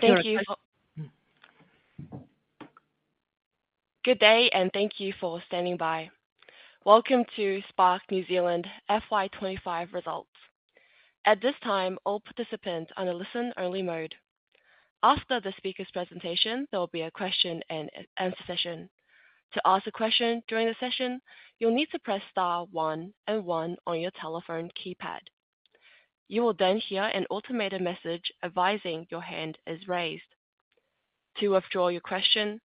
Thank you. Good day, and thank you for standing by. Welcome to Spark New Zealand FY 2025 results. At this time, all participants are in a listen-only mode. After the speaker's presentation, there will be a question and answer session. To ask a question during the session, you'll need to press star one and one on your telephone keypad. You will then hear an automated message advising your hand is raised. To withdraw your question,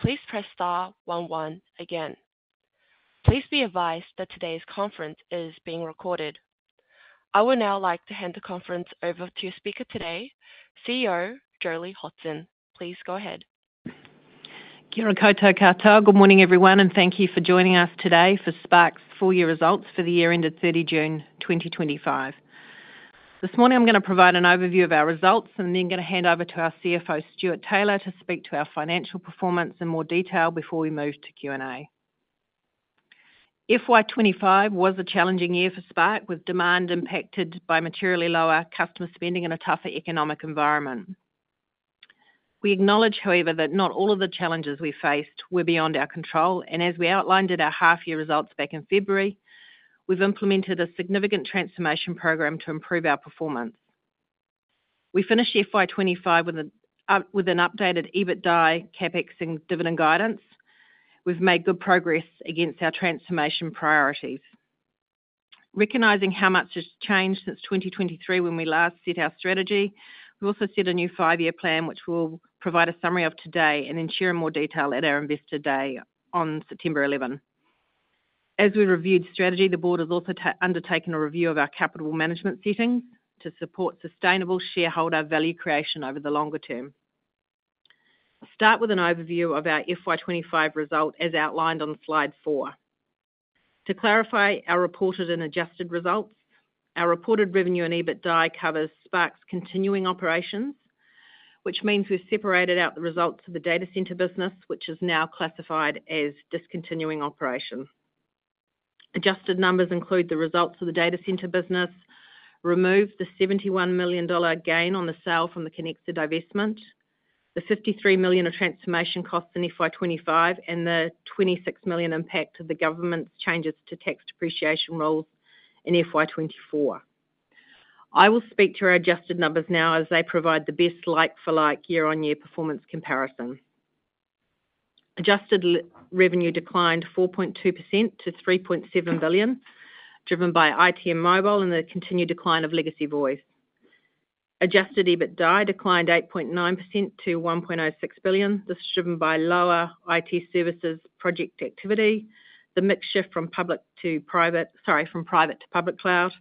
please press star one one again. Please be advised that today's conference is being recorded. I would now like to hand the conference over to the speaker today, CEO Jolie Hodson. Please go ahead. Thank you, Carter. Good morning, everyone, and thank you for joining us today for Spark's full-year results for the year ended 30 June 2025. This morning, I'm going to provide an overview of our results, and then I'm going to hand over to our CFO, Stewart Taylor, to speak to our financial performance in more detail before we move to Q&A. FY 2025 was a challenging year for Spark, with demand impacted by materially lower customer spending and a tougher economic environment. We acknowledge, however, that not all of the challenges we faced were beyond our control, and as we outlined in our half-year results back in February, we've implemented a significant transformation program to improve our performance. We finished FY 2025 with an updated EBITDA, CapEx, and dividend guidance. We've made good progress against our transformation priorities. Recognizing how much has changed since 2023 when we last set our strategy, we also set a new 5-year plan, which we'll provide a summary of today and share in more detail at our Investor Day on September 11. As we reviewed strategy, the board has also undertaken a review of our capital management setting to support sustainable shareholder value creation over the longer term. Start with an overview of our FY 2025 result as outlined on slide 4. To clarify our reported and adjusted results, our reported revenue and EBITDA cover Spark's continuing operations, which means we've separated out the results of the data center business, which is now classified as discontinuing operation. Adjusted numbers include the results of the data center business, remove the 71 million dollar gain on the sale from the Connecta divestment, the 53 million of transformation costs in FY 2025, and the 26 million impact of the government's changes to tax depreciation rules in FY 2024. I will speak to our adjusted numbers now as they provide the best like-for-like year-on-year performance comparison. Adjusted revenue declined 4.2% to 3.7 billion, driven by IT and mobile and the continued decline of legacy voice. Adjusted EBITDA declined 8.9% to 1.06 billion. This is driven by lower IT services project activity, the mix shift from private to public cloud services,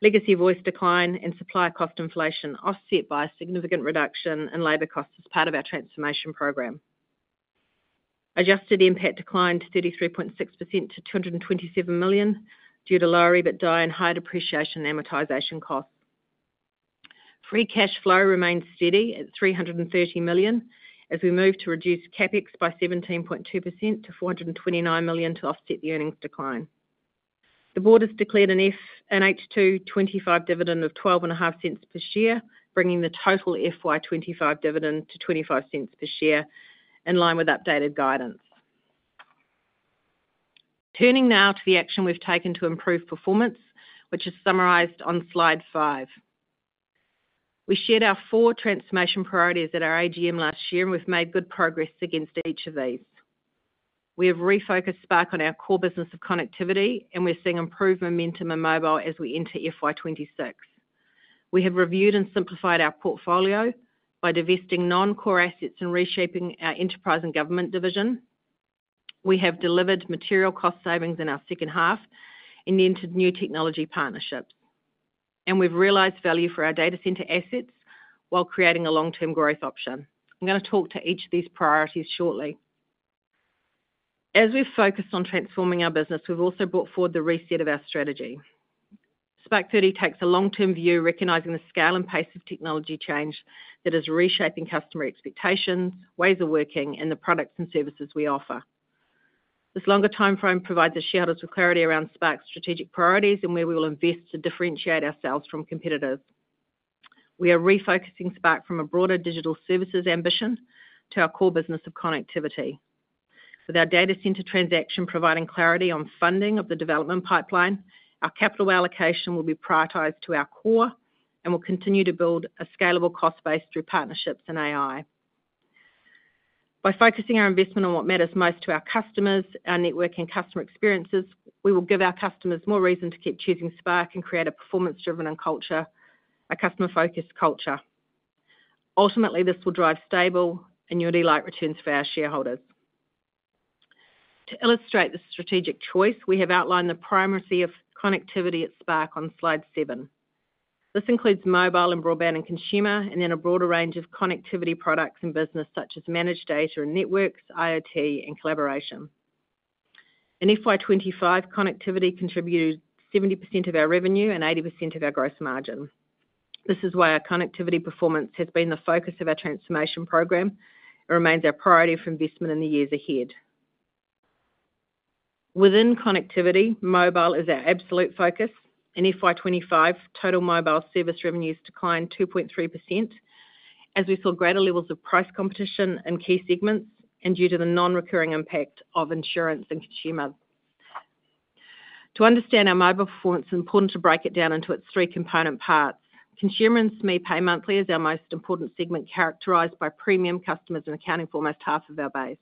legacy voice decline, and supply cost inflation offset by a significant reduction in labor costs as part of our transformation program. Adjusted impact declined 33.6% to 227 million due to lower EBITDA and high depreciation amortization costs. Free cash flow remains steady at 330 million as we move to reduce CapEx by 17.2% to 429 million to offset the earnings decline. The board has declared an H2 2025 dividend of 0.125 per share, bringing the total FY 2025 dividend to 0.25 per share in line with updated guidance. Turning now to the action we've taken to improve performance, which is summarized on slide 5. We shared our four transformation priorities at our AGM last year, and we've made good progress against each of these. We have refocused Spark on our core business of connectivity, and we're seeing improved momentum in mobile as we enter FY 2026. We have reviewed and simplified our portfolio by divesting non-core assets and reshaping our enterprise and government division. We have delivered material cost savings in our second half and entered new technology partnerships, and we've realized value for our data center assets while creating a long-term growth option. I'm going to talk to each of these priorities shortly. As we've focused on transforming our business, we've also brought forward the reset of our strategy. SPK-30 takes a long-term view, recognizing the scale and pace of technology change that is reshaping customer expectations, ways of working, and the products and services we offer. This longer timeframe provides a shadow to clarity around Spark's strategic priorities and where we will invest to differentiate ourselves from competitors. We are refocusing Spark from a broader digital services ambition to our core business of connectivity. With our data center transaction providing clarity on funding of the development pipeline, our capital allocation will be prioritized to our core and will continue to build a scalable cost base through partnerships and AI. By focusing our investment on what matters most to our customers, our network and customer experiences, we will give our customers more reason to keep choosing Spark and create a performance-driven culture, a customer-focused culture. Ultimately, this will drive stable annuity-like returns for our shareholders. To illustrate the strategic choice, we have outlined the primacy of connectivity at Spark on slide 7. This includes mobile and broadband and consumer, and then a broader range of connectivity products and business, such as managed data and networks, IoT, and collaboration. In FY 2025, connectivity contributed 70% of our revenue and 80% of our gross margin. This is why our connectivity performance has been the focus of our transformation program and remains our priority for investment in the years ahead. Within connectivity, mobile is our absolute focus, and in FY 2025, total mobile service revenues declined 2.3% as we saw greater levels of price competition in key segments and due to the non-recurring impact of insurance and consumer. To understand our mobile performance, it's important to break it down into its three component parts. Consumer and SME pay monthly is our most important segment, characterized by premium customers and accounting for almost half of our base.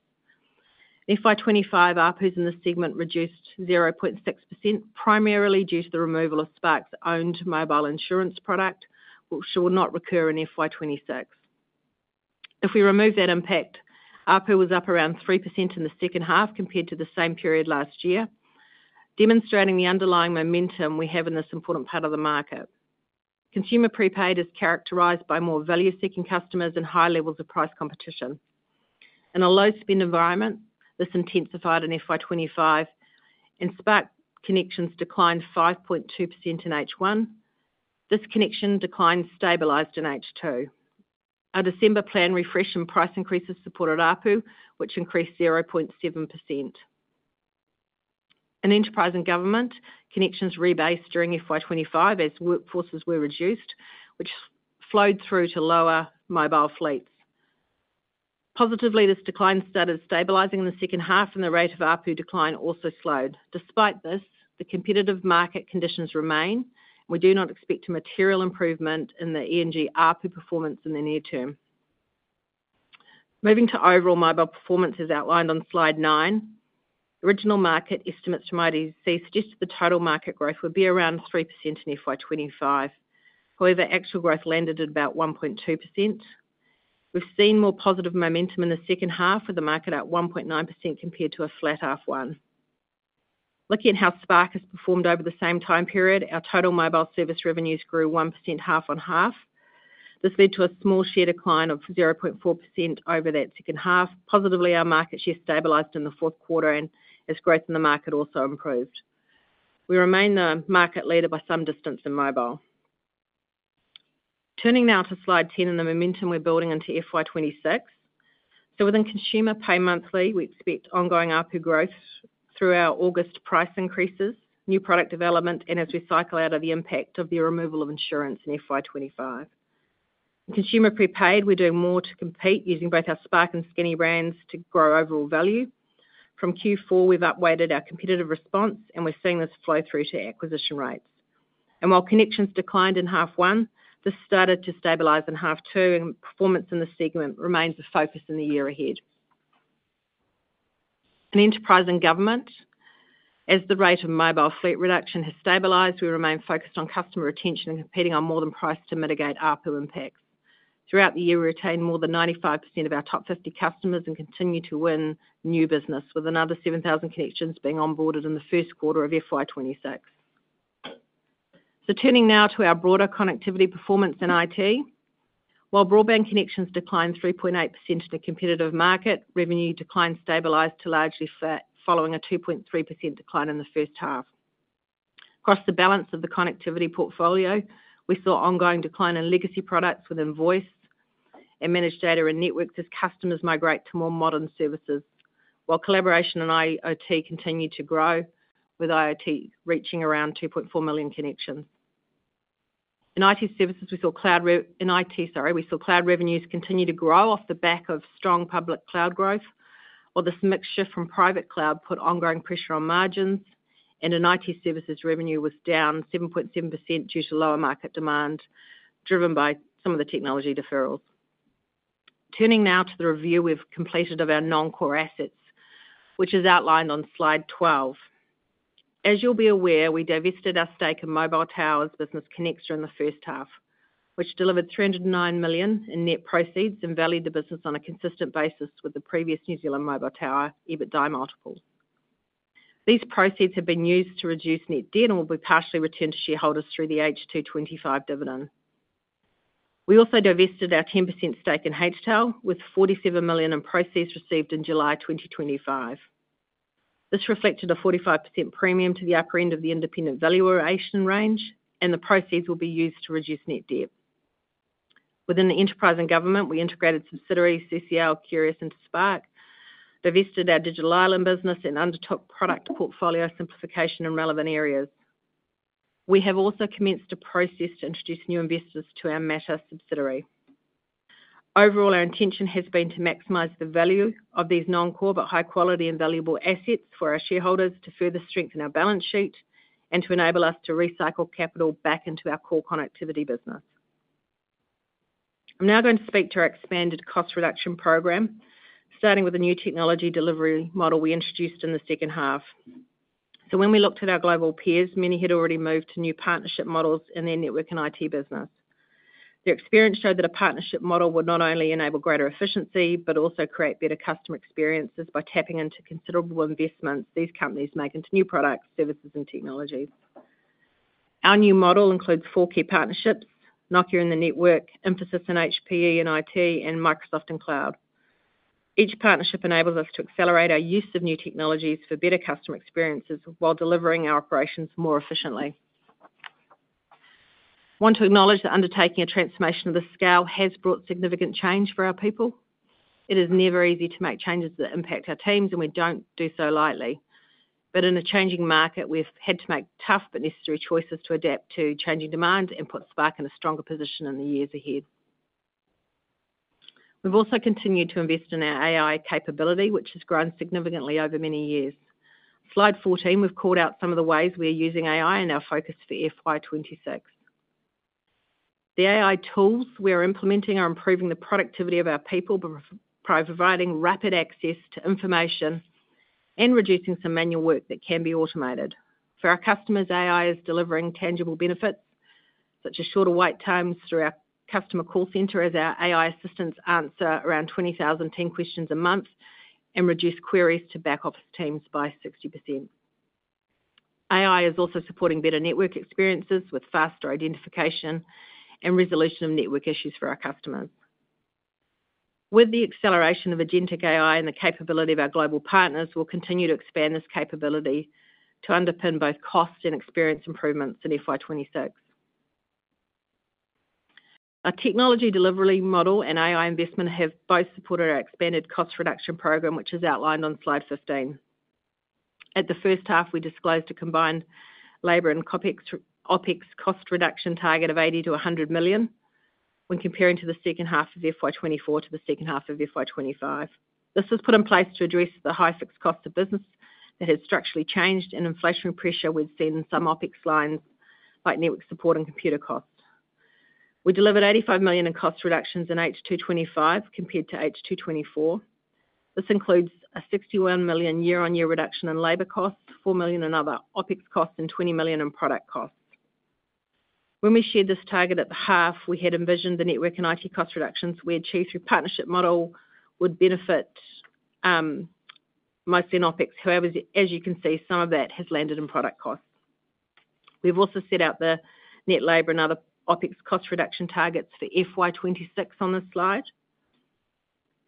In FY 2025, ARPUs in this segment reduced 0.6%, primarily due to the removal of Spark's owned mobile insurance product, which will not recur in FY 2026. If we remove that impact, ARPU was up around 3% in the second half compared to the same period last year, demonstrating the underlying momentum we have in this important part of the market. Consumer prepaid is characterized by more value-seeking customers and high levels of price competition. In a low-spend environment, this intensified in FY 2025, and Spark connections declined 5.2% in H1. This connection decline stabilized in H2. Our December plan refresh and price increases supported ARPU, which increased 0.7%. In enterprise and government, connections rebased during FY 2025 as workforces were reduced, which flowed through to lower mobile fleets. Positively, this decline started stabilizing in the second half, and the rate of ARPU decline also slowed. Despite this, the competitive market conditions remain, and we do not expect a material improvement in the ENG ARPU performance in the near term. Moving to overall mobile performance as outlined on slide 9, original market estimates from IDC suggested the total market growth would be around 3% in FY 2025. However, actual growth landed at about 1.2%. We've seen more positive momentum in the second half with the market at 1.9% compared to a flat 0.5%. Looking at how Spark has performed over the same time period, our total mobile service revenues grew 1% half-on-half. This led to a small share decline of 0.4% over that second half. Positively, our market share stabilized in the fourth quarter, and as growth in the market also improved, we remain the market leader by some distance in mobile. Turning now to slide 10 and the momentum we're building into FY 2026. Within consumer pay monthly, we expect ongoing ARPU growth through our August price increases, new product development, and as we cycle out of the impact of the removal of insurance in FY 2025. In consumer prepaid, we're doing more to compete using both our Spark and Skinny brands to grow overall value. From Q4, we've upweighted our competitive response, and we're seeing this flow through to acquisition rates. While connections declined in half one, this started to stabilize in half two, and performance in this segment remains a focus in the year ahead. In enterprise and government, as the rate of mobile fleet reduction has stabilized, we remain focused on customer retention and competing on more than price to mitigate ARPU impacts. Throughout the year, we retained more than 95% of our top 50 customers and continue to win new business, with another 7,000 connections being onboarded in the first quarter of FY 2026. Turning now to our broader connectivity performance in IT, while broadband connections declined 3.8% in a competitive market, revenue decline stabilized to largely flat, following a 2.3% decline in the first half. Across the balance of the connectivity portfolio, we saw ongoing decline in legacy products within voice and managed data and networks as customers migrate to more modern services, while collaboration and IoT continue to grow, with IoT reaching around 2.4 million connections. In IT services, we saw cloud revenues continue to grow off the back of strong public cloud growth, while this mix shift from private cloud put ongoing pressure on margins, and in IT services, revenue was down 7.7% due to lower market demand driven by some of the technology deferrals. Turning now to the review we've completed of our non-core assets, which is outlined on slide 12. As you'll be aware, we divested our stake in mobile towers business Connexa during the first half, which delivered 309 million in net proceeds and valued the business on a consistent basis with the previous New Zealand mobile tower EBITDAI multiples. These proceeds have been used to reduce net debt and will be partially returned to shareholders through the H2 2025 dividend. We also divested our 10% stake in HTAL, with 47 million in proceeds received in July 2025. This reflected a 45% premium to the upper end of the independent valuation range, and the proceeds will be used to reduce net debt. Within the enterprise and government, we integrated subsidiaries CCL, Qrious, and Spark, divested our Digital Island business, and undertook product portfolio simplification in relevant areas. We have also commenced a process to introduce new investors to our MATTR subsidiary. Overall, our intention has been to maximize the value of these non-core but high-quality and valuable assets for our shareholders to further strengthen our balance sheet and to enable us to recycle capital back into our core connectivity business. I'm now going to speak to our expanded cost reduction program, starting with the new technology delivery model we introduced in the second half. When we looked at our global peers, many had already moved to new partnership models in their network and IT business. Their experience showed that a partnership model would not only enable greater efficiency but also create better customer experiences by tapping into considerable investments these companies make into new products, services, and technology. Our new model includes four key partnerships: Nokia in the network, Infosys and HPE in IT, and Microsoft in cloud. Each partnership enables us to accelerate our use of new technologies for better customer experiences while delivering our operations more efficiently. I want to acknowledge that undertaking a transformation of this scale has brought significant change for our people. It is never easy to make changes that impact our teams, and we don't do so lightly. In a changing market, we've had to make tough but necessary choices to adapt to changing demand and put Spark in a stronger position in the years ahead. We've also continued to invest in our AI capability, which has grown significantly over many years. Slide 14, we've called out some of the ways we're using AI in our focus for FY 2026. The AI tools we're implementing are improving the productivity of our people by providing rapid access to information and reducing some manual work that can be automated. For our customers, AI is delivering tangible benefits such as shorter wait times through our customer call center as our AI assistants answer around 20,000 team questions a month and reduce queries to back office teams by 60%. AI is also supporting better network experiences with faster identification and resolution of network issues for our customers. With the acceleration of agentic AI and the capability of our global partners, we'll continue to expand this capability to underpin both cost and experience improvements in FY 2026. Our technology delivery model and AI investment have both supported our expanded cost reduction program, which is outlined on slide 15. At the first half, we disclosed a combined labor and OpEx cost reduction target of 80 million-100 million when comparing the second half of FY 2024 to the second half of FY 2025. This was put in place to address the high fixed costs of business that have structurally changed and inflationary pressure we've seen in some OpEx lines like network support and computer costs. We delivered 85 million in cost reductions in H2 2025 compared to H2 2024. This includes a 61 million year-on-year reduction in labor costs, 4 million in other OpEx costs, and 20 million in product costs. When we shared this target at the half, we had envisioned the network and IT cost reductions we achieved through partnership model would benefit mostly in OpEx. However, as you can see, some of that has landed in product costs. We've also set out the net labor and other OpEx cost reduction targets for FY 2026 on this slide.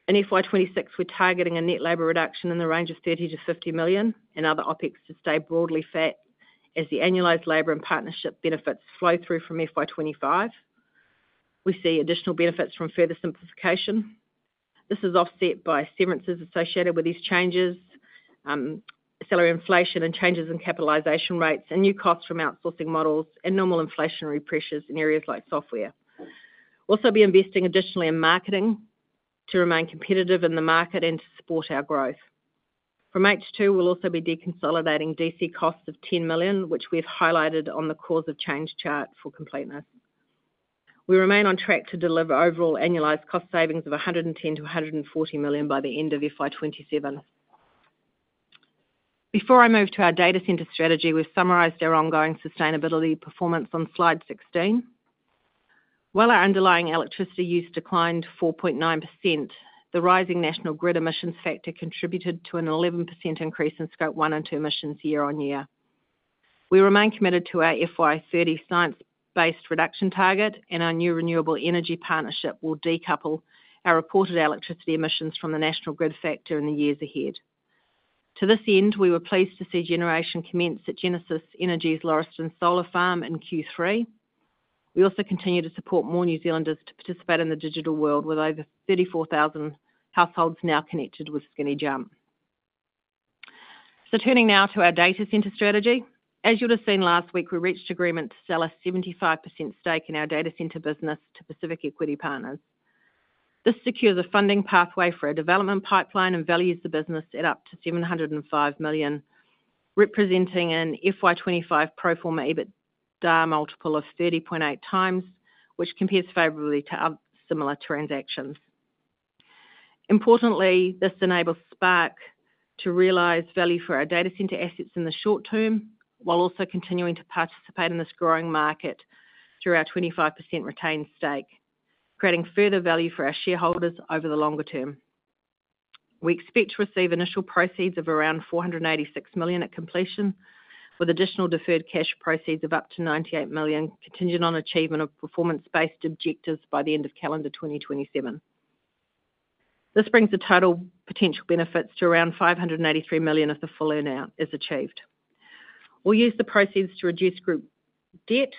In FY 2026, we're targeting a net labor reduction in the range of 30 million-50 million and other OpEx to stay broadly flat as the annualized labor and partnership benefits flow-through from FY 2025. We see additional benefits from further simplification. This is offset by severances associated with these changes, salary inflation and changes in capitalization rates, and new costs from outsourcing models and normal inflationary pressures in areas like software. We'll also be investing additionally in marketing to remain competitive in the market and to support our growth. From H2, we'll also be deconsolidating DC costs of 10 million, which we've highlighted on the cause of change chart for completeness. We remain on track to deliver overall annualized cost savings of 110 million-140 million by the end of FY 2027. Before I move to our data center strategy, we've summarized our ongoing sustainability performance on slide 16. While our underlying electricity use declined 4.9%, the rising national grid emissions factor contributed to an 11% increase in scope 1 and 2 emissions year-on-year. We remain committed to our FY 2030 science-based reduction target, and our new renewable energy partnership will decouple our reported electricity emissions from the national grid factor in the years ahead. To this end, we were pleased to see generation commence at Genesis Energy's Lauriston Solar Farm in Q3. We also continue to support more New Zealanders to participate in the digital world, with over 34,000 households now connected with Skinny Jump. Turning now to our data center strategy, as you would have seen last week, we reached agreement to sell a 75% stake in our data center business to Pacific Equity Partners. This secures a funding pathway for a development pipeline and values the business at up to 705 million, representing an FY 2025 pro forma EBITDA multiple of 30.8x, which compares favorably to other similar transactions. Importantly, this enables Spark to realize value for our data center assets in the short term, while also continuing to participate in this growing market through our 25% retained stake, creating further value for our shareholders over the longer term. We expect to receive initial proceeds of around 486 million at completion, with additional deferred cash proceeds of up to 98 million contingent on achievement of performance-based objectives by the end of calendar 2027. This brings the total potential benefits to around 583 million if the full earnout is achieved. We'll use the proceeds to reduce group debt.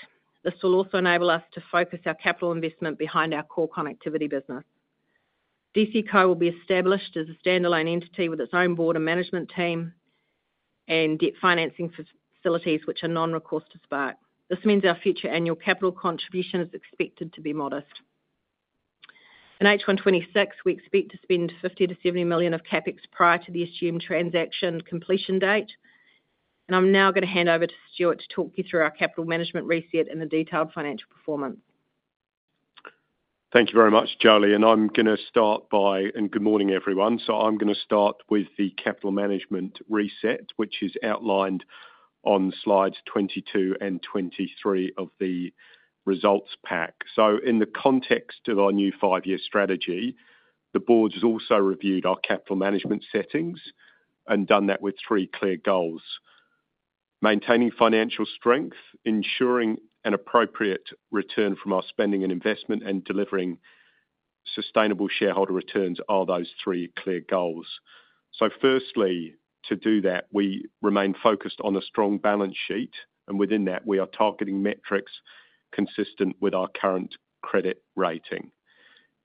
This will also enable us to focus our capital investment behind our core connectivity business. DC Co will be established as a standalone entity with its own board and management team and debt financing facilities, which are non-recourse to Spark. This means our future annual capital contribution is expected to be modest. In H1 2026, we expect to spend 50 million-70 million of CapEx prior to the assumed transaction completion date. I'm now going to hand over to Stewart to talk you through our capital management reset and the detailed financial performance. Thank you very much, Jolie. I'm going to start, and good morning everyone. I'm going to start with the capital management reset, which is outlined on slides 22 and 23 of the results pack. In the context of our new 5-year strategy, the board has also reviewed our capital management settings and done that with three clear goals: maintaining financial strength, ensuring an appropriate return from our spending and investment, and delivering sustainable shareholder returns. Firstly, to do that, we remain focused on the strong balance sheet, and within that, we are targeting metrics consistent with our current credit rating.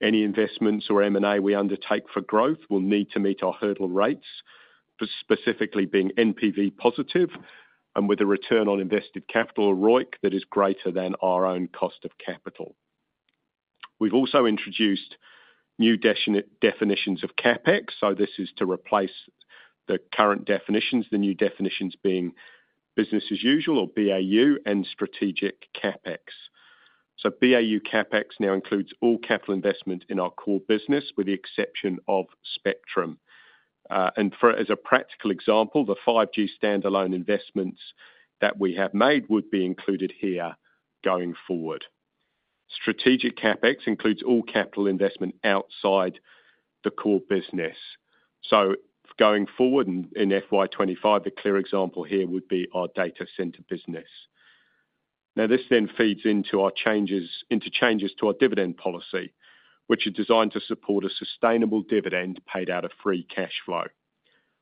Any investments or M&A we undertake for growth will need to meet our hurdle rates, specifically being NPV-positive and with a return on invested capital or ROIC that is greater than our own cost of capital. We've also introduced new definitions of CapEx. This is to replace the current definitions, the new definitions being business as usual or BAU and strategic CapEx. BAU CapEx now includes all capital investment in our core business with the exception of spectrum. For a practical example, the 5G standalone investments that we have made would be included here going forward. Strategic CapEx includes all capital investment outside the core business. Going forward in FY 2025, the clear example here would be our data center business. This then feeds into our changes to our dividend policy, which are designed to support a sustainable dividend paid out of free cash flow.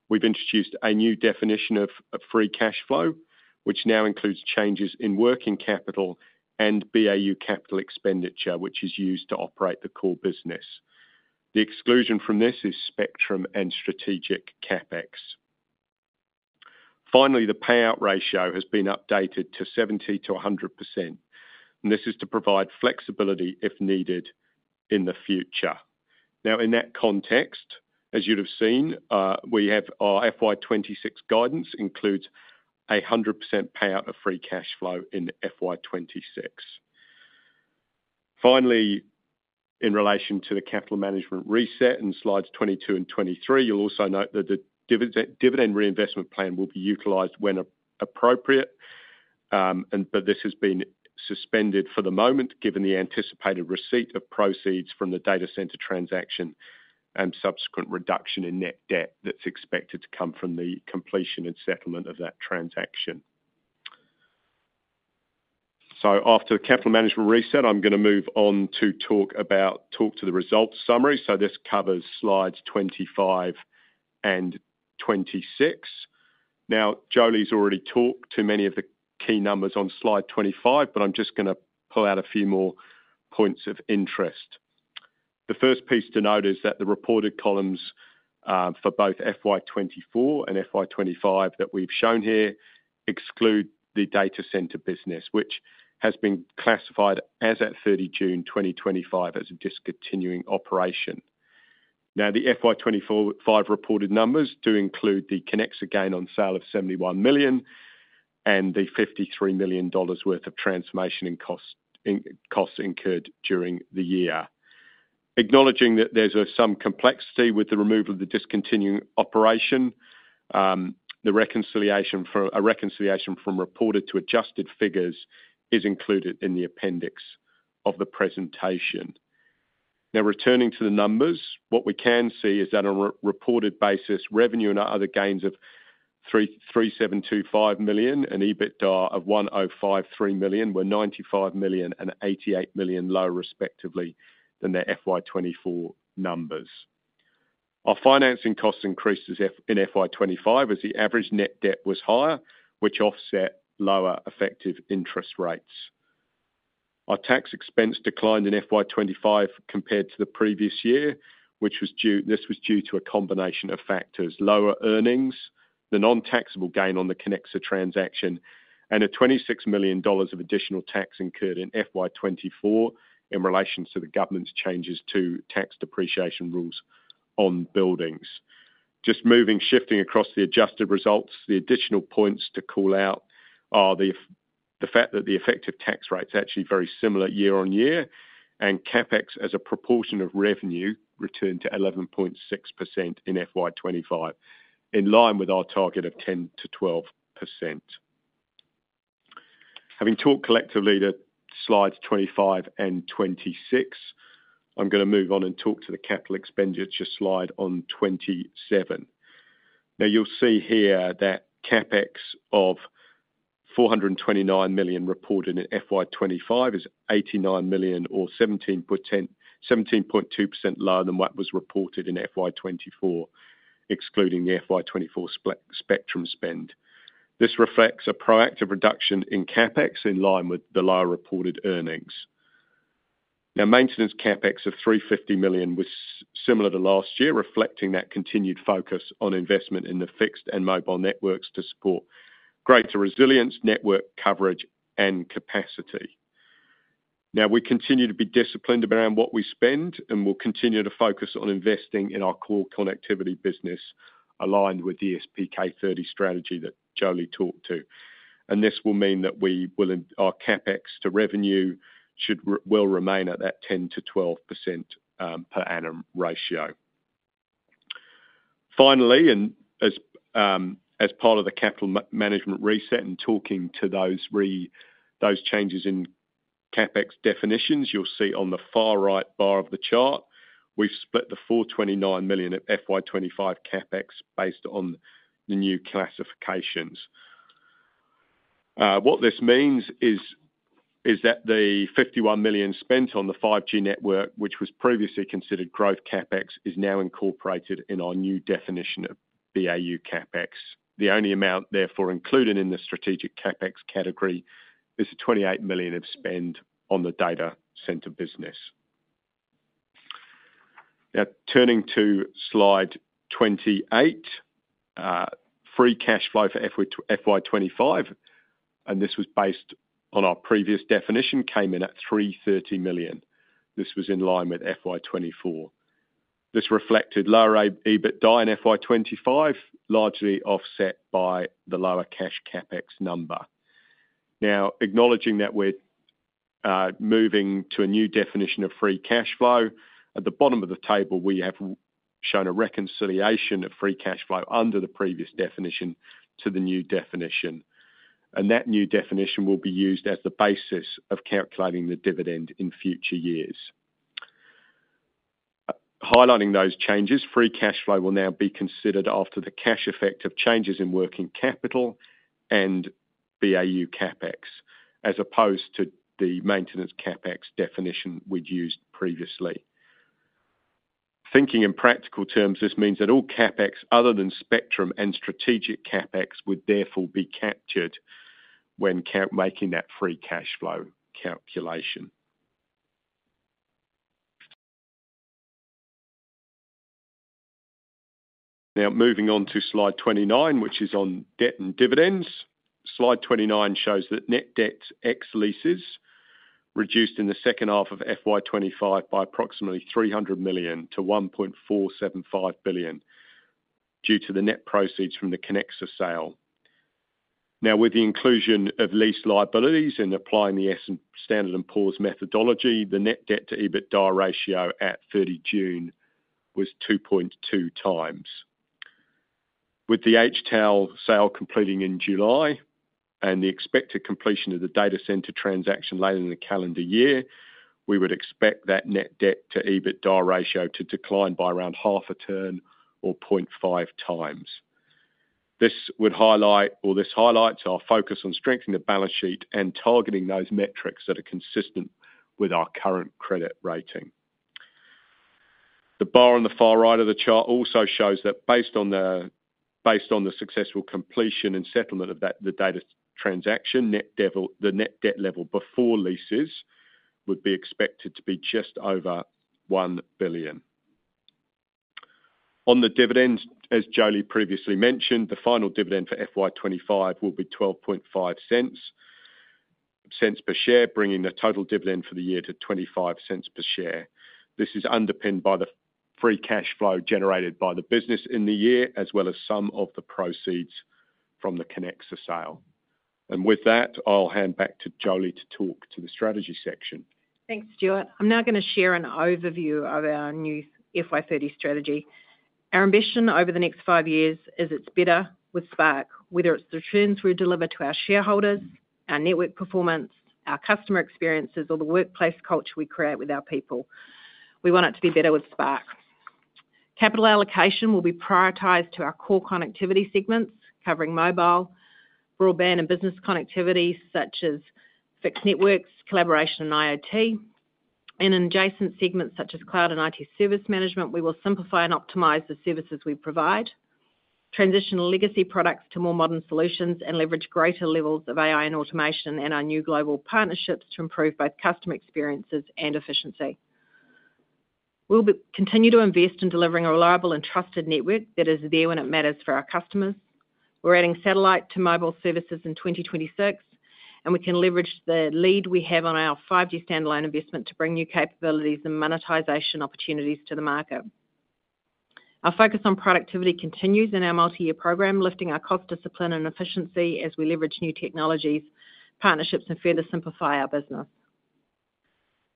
We've introduced a new definition of free cash flow, which now includes changes in working capital and BAU capital expenditure, which is used to operate the core business. The exclusion from this is spectrum and strategic CapEx. Finally, the payout ratio has been updated to 70%-100%, and this is to provide flexibility if needed in the future. In that context, as you'd have seen, our FY 2026 guidance includes a 100% payout of free cash flow in FY 2026. Finally, in relation to the capital management reset in slides 22 and 23, you'll also note that the dividend reinvestment plan will be utilized when appropriate, but this has been suspended for the moment given the anticipated receipt of proceeds from the data center transaction and subsequent reduction in net debt that's expected to come from the completion and settlement of that transaction. After the capital management reset, I'm going to move on to talk about the results summary. This covers slides 25 and 26. Now, Jolie's already talked to many of the key numbers on slide 25, but I'm just going to pull out a few more points of interest. The first piece to note is that the reported columns for both FY 2024 and FY 2025 that we've shown here exclude the data center business, which has been classified as at 30 June 2025 as a discontinuing operation. The FY 2025 reported numbers do include the Connexa gain on sale of 71 million and the NZD 53 million worth of transformation costs incurred during the year. Acknowledging that there's some complexity with the removal of the discontinuing operation, a reconciliation from reported to adjusted figures is included in the appendix of the presentation. Returning to the numbers, what we can see is that on a reported basis, revenue and other gains of 3.725 billion and EBITDA of 105.3 million were 95 million and 88 million lower, respectively, than the FY 2024 numbers. Our financing costs increased in FY 2025 as the average net debt was higher, which offset lower effective interest rates. Our tax expense declined in FY 2025 compared to the previous year, which was due to a combination of factors: lower earnings, the non-taxable gain on the Connexa transaction, and 26 million dollars of additional tax incurred in FY24 in relation to the government's changes to tax depreciation rules on buildings. Shifting across the adjusted results, the additional points to call out are the fact that the effective tax rate is actually very similar year on year, and CapEx as a proportion of revenue returned to 11.6% in FY 2025, in line with our target of 10%-12%. Having talked collectively to slides 25 and 26, I'm going to move on and talk to the capital expenditure slide on 27. You'll see here that CapEx of 429 million reported in FY25 is 89 million or 17.2% lower than what was reported in FY 2024, excluding the FY 2024 spectrum spend. This reflects a proactive reduction in CapEx in line with the lower reported earnings. Maintenance CapEx of 350 million was similar to last year, reflecting that continued focus on investment in the fixed and mobile networks to support greater resilience, network coverage, and capacity. Now, we continue to be disciplined around what we spend, and we'll continue to focus on investing in our core connectivity business aligned with the SPK-30 strategy that Jolie talked to. This will mean that our CapEx to revenue will remain at that 10%-12% per annum ratio. Finally, as part of the capital management reset and talking to those changes in CapEx definitions, you'll see on the far right bar of the chart, we've split the 429 million of FY 2025 CapEx based on the new classifications. What this means is that the 51 million spent on the 5G network, which was previously considered growth CapEx, is now incorporated in our new definition of BAU CapEx. The only amount therefore included in the strategic CapEx category is the 28 million of spend on the data center business. Now, turning to slide 28, free cash flow for FY 2025, and this was based on our previous definition, came in at 330 million. This was in line with FY 2024. This reflected lower EBITDA in FY 2025, largely offset by the lower cash CapEx number. Acknowledging that we're moving to a new definition of free cash flow, at the bottom of the table, we have shown a reconciliation of free cash flow under the previous definition to the new definition. That new definition will be used as the basis of calculating the dividend in future years. Highlighting those changes, free cash flow will now be considered after the cash effect of changes in working capital and BAU CapEx, as opposed to the maintenance CapEx definition we'd used previously. Thinking in practical terms, this means that all CapEx other than spectrum and strategic CapEx would therefore be captured when making that free cash flow calculation. Now, moving on to slide 29, which is on debt and dividends, slide 29 shows that net debt ex-leases reduced in the second half of FY25 by approximately 300 million-1.475 billion due to the net proceeds from the Connexa sale. With the inclusion of lease liabilities and applying the Standard & Poor's methodology, the net debt to EBITDA ratio at 30 June was 2.2x. With the HTAL sale completing in July and the expected completion of the data center transaction later in the calendar year, we would expect that net debt to EBITDA ratio to decline by around half a turn or 0.5x. This highlights our focus on strengthening the balance sheet and targeting those metrics that are consistent with our current credit rating. The bar on the far right of the chart also shows that based on the successful completion and settlement of the data transaction, the net debt level before leases would be expected to be just over 1 billion. On the dividends, as Jolie previously mentioned, the final dividend for FY 2025 will be 0.125 per share, bringing the total dividend for the year to 0.25 per share. This is underpinned by the free cash flow generated by the business in the year, as well as some of the proceeds from the Connexa sale. With that, I'll hand back to Jolie to talk to the strategy section. Thanks, Stewart. I'm now going to share an overview of our new FY 2030 strategy. Our ambition over the next 5 years is it's better with Spark, whether it's the returns we deliver to our shareholders, our network performance, our customer experiences, or the workplace culture we create with our people. We want it to be better with Spark. Capital allocation will be prioritized to our core connectivity segments, covering mobile, broadband, and business connectivity such as fixed networks, collaboration, and IoT. In adjacent segments such as cloud and IT service management, we will simplify and optimize the services we provide, transition legacy products to more modern solutions, and leverage greater levels of AI and automation in our new global partnerships to improve both customer experiences and efficiency. We'll continue to invest in delivering a reliable and trusted network that is there when it matters for our customers. We're adding satellite to mobile services in 2026, and we can leverage the lead we have on our 5G standalone investment to bring new capabilities and monetization opportunities to the market. Our focus on productivity continues in our multi-year program, lifting our cost discipline and efficiency as we leverage new technologies, partnerships, and further simplify our business.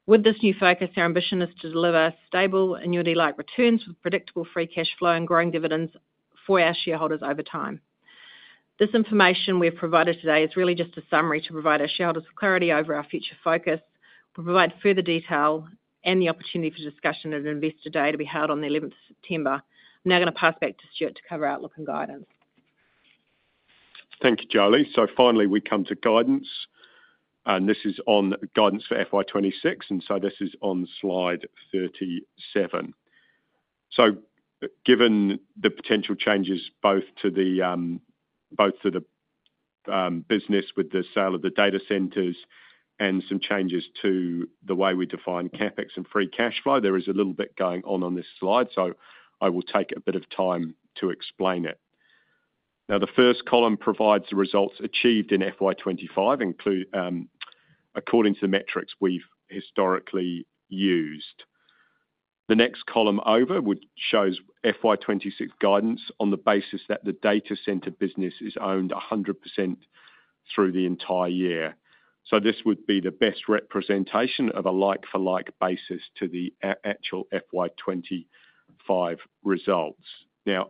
With this new focus, our ambition is to deliver stable annuity-like returns with predictable free cash flow and growing dividends for our shareholders over time. This information we've provided today is really just a summary to provide our shareholders with clarity over our future focus. We'll provide further detail and the opportunity for discussion at an Investor Day to be held on the 11th of September. I'm now going to pass back to Stewart to cover outlook and guidance. Thank you, Jolie. Finally, we come to guidance, and this is on guidance for FY 2026, and this is on slide 37. Given the potential changes both to the business with the sale of the data centers and some changes to the way we define CapEx and free cash flow, there is a little bit going on on this slide, so I will take a bit of time to explain it. The first column provides the results achieved in FY 2025, according to the metrics we've historically used. The next column over shows FY 2026 guidance on the basis that the data center business is owned 100% through the entire year. This would be the best representation of a like-for-like basis to the actual FY 2025 results.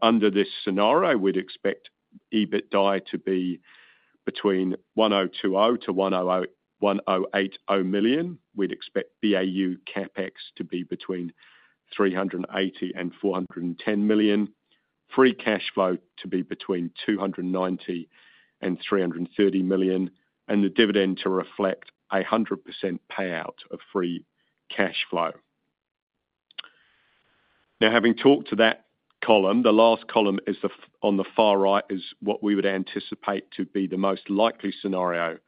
Under this scenario, we'd expect EBITDA to be between 1.020 billion and 1.080 billion. We'd expect BAU CapEx to be between 380 million and 410 million, free cash flow to be between 290 million and 330 million, and the dividend to reflect a 100% payout of free cash flow. Having talked to that column, the last column on the far right is what we would anticipate to be the most likely scenario for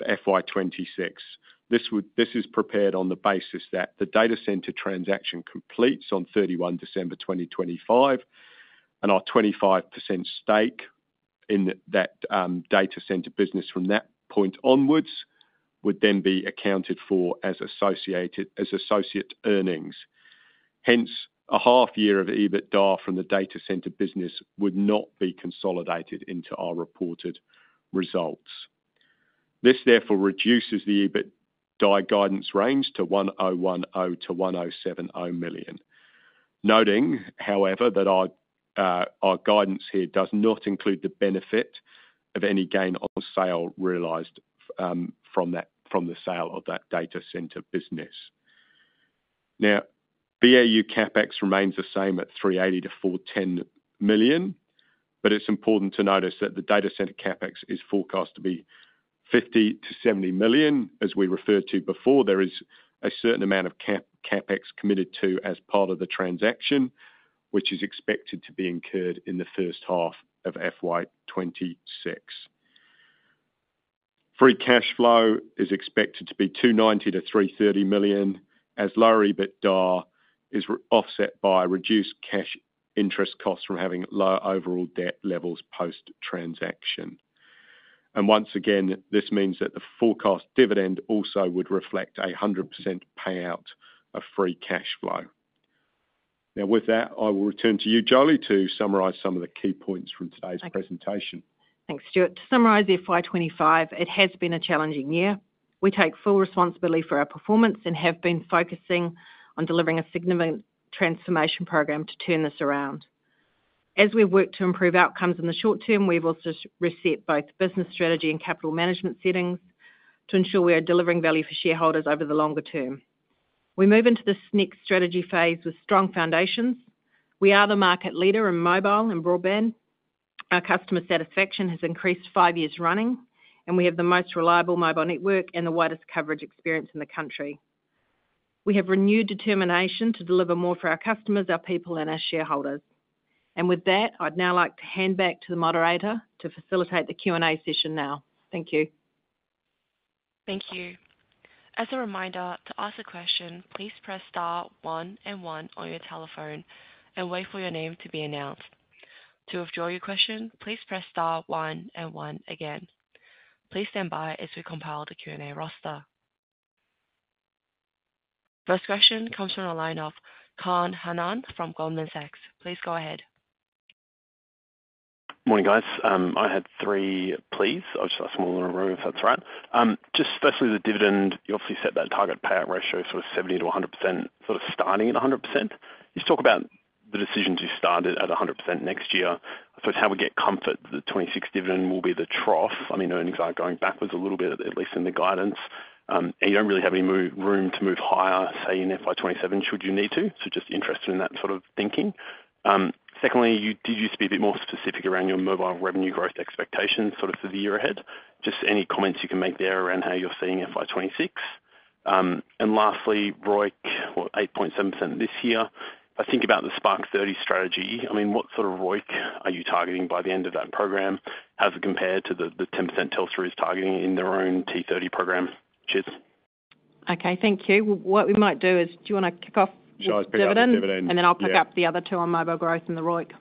FY 2026. This is prepared on the basis that the data center transaction completes on 31 December 2025, and our 25% stake in that data center business from that point onwards would then be accounted for as associate earnings. Hence, a half year of EBITDA from the data center business would not be consolidated into our reported results. This therefore reduces the EBITDA guidance range to 1.010 billion-1.070 billion. Noting, however, that our guidance here does not include the benefit of any gain or sale realized from the sale of that data center business. BAU CapEx remains the same at 380 million-410 million, but it's important to notice that the data center CapEx is forecast to be 50 million-70 million. As we referred to before, there is a certain amount of CapEx committed to as part of the transaction, which is expected to be incurred in the first half of FY 2026. Free cash flow is expected to be 290 million-330 million, as lower EBITDA is offset by reduced cash interest costs from having low overall debt levels post-transaction. Once again, this means that the forecast dividend also would reflect a 100% payout of free cash flow. With that, I will return to you, Jolie, to summarize some of the key points from today's presentation. Thanks, Stewart. To summarize the FY 2025, it has been a challenging year. We take full responsibility for our performance and have been focusing on delivering a significant transformation program to turn this around. As we've worked to improve outcomes in the short term, we've also reset both business strategy and capital management settings to ensure we are delivering value for shareholders over the longer term. We move into this next strategy phase with strong foundations. We are the market leader in mobile and broadband. Our customer satisfaction has increased 5 years running, and we have the most reliable mobile network and the widest coverage experience in the country. We have renewed determination to deliver more for our customers, our people, and our shareholders. I'd now like to hand back to the moderator to facilitate the Q&A session now. Thank you. Thank you. As a reminder, to ask a question, please press star one and one on your telephone and wait for your name to be announced. To withdraw your question, please press star one and one again. Please stand by as we compile the Q&A roster. First question comes from a line of Kane Hannan from Goldman Sachs. Please go ahead. Morning, guys. I had three pleas. I'll just ask them all in a row if that's all right. Especially the dividend, you obviously set that target payout ratio sort of 70%-100%, sort of starting at 100%. Can you just talk about the decision to start it at 100% next year? I suppose how we get comfort that the 2026 dividend will be the trough. I mean, earnings are going backwards a little bit, at least in the guidance, and you don't really have any room to move higher, say, in FY 2027 should you need to. Just interested in that sort of thinking. Secondly, could you speak a bit more specific around your mobile revenue growth expectations for the year ahead? Any comments you can make there around how you're seeing FY 2026. Lastly, ROIC, what, 8.7% this year. I think about the SPK-30 strategy. What sort of ROIC are you targeting by the end of that program? How does it compare to the 10% Telstra is targeting in their own T-30 program? Okay, thank you. What we might do is, do you want to kick off the dividend? I'll pick up the other two on mobile growth and the ROIC.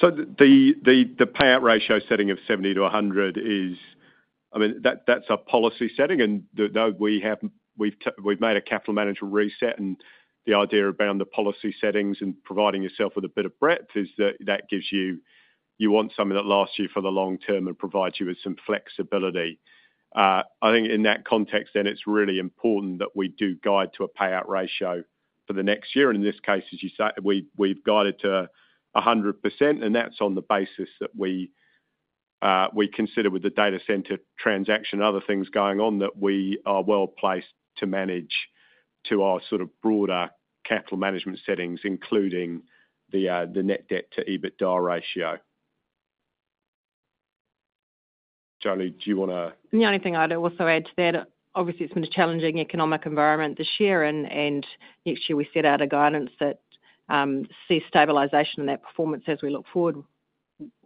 The payout ratio setting of 70%-100% is, I mean, that's a policy setting. We have made a capital management reset, and the idea around the policy settings and providing yourself with a bit of breadth is that gives you, you want something that lasts you for the long term and provides you with some flexibility. I think in that context, it's really important that we do guide to a payout ratio for the next year. In this case, as you say, we've guided to 100%. That's on the basis that we consider with the data center transaction and other things going on that we are well placed to manage to our sort of broader capital management settings, including the net debt to EBITDA ratio. Jolie, do you want to? The only thing I'd also add to that, obviously, it's been a challenging economic environment this year. Next year, we set out a guidance that sees stabilisation in that performance as we look forward.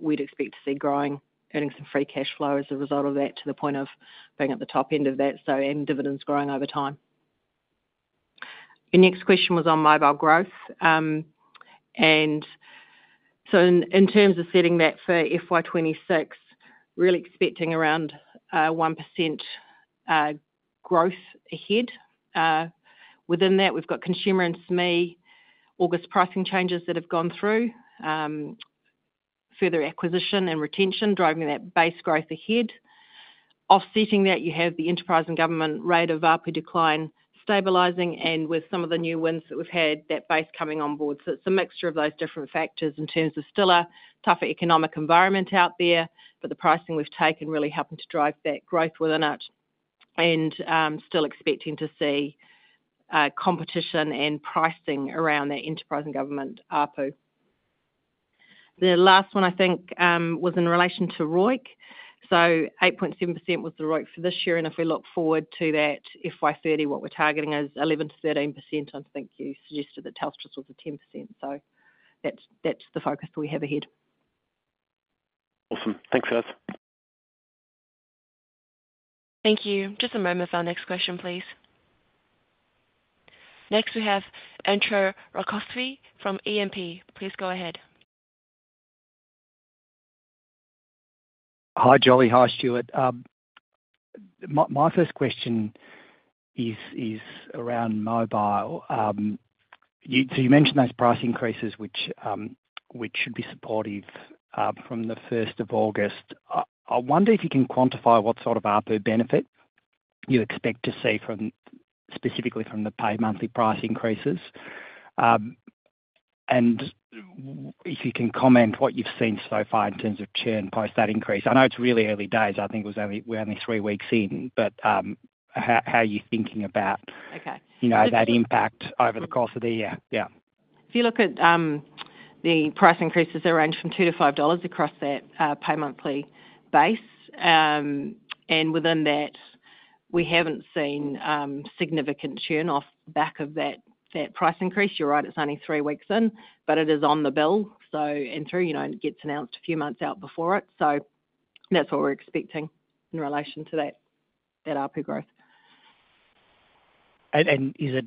We'd expect to see growing earnings and free cash flow as a result of that to the point of being at the top end of that. End dividends growing over time. Your next question was on mobile growth. In terms of setting that for FY 2026, really expecting around 1% growth ahead. Within that, we've got consumer and SME August pricing changes that have gone through, further acquisition and retention driving that base growth ahead. Offsetting that, you have the enterprise and government rate of ARPU decline stabilising and with some of the new wins that we've had, that base coming on board. It's a mixture of those different factors in terms of still a tougher economic environment out there, but the pricing we've taken really helping to drive that growth within it and still expecting to see competition and pricing around that enterprise and government ARPU. The last one, I think, was in relation to ROIC. 8.7% was the ROIC for this year. If we look forward to that FY 2030, what we're targeting is 11%-13%. I think you suggested that Telstra's sort of 10%. That's the focus that we have ahead. Awesome. Thanks, guys. Thank you. Just a moment for our next question, please. Next, we have Entcho Raykovski from E&P. Please go ahead. Hi, Jolie. Hi, Stewart. My first question is around mobile. You mentioned those price increases, which should be supportive from the 1st of August. I wonder if you can quantify what sort of ARPU benefit you expect to see specifically from the pay-monthly price increases. If you can comment what you've seen so far in terms of churn post that increase. I know it's really early days. I think we're only 3 weeks in, but how are you thinking about that impact over the course of the year? If you look at the price increases, they range from 2-5 dollars across that pay monthly base. Within that, we haven't seen significant churn off the back of that price increase. You're right, it's only 3 weeks in, but it is on the bill, and it gets announced a few months out before it. That's what we're expecting in relation to that ARPU growth. Is it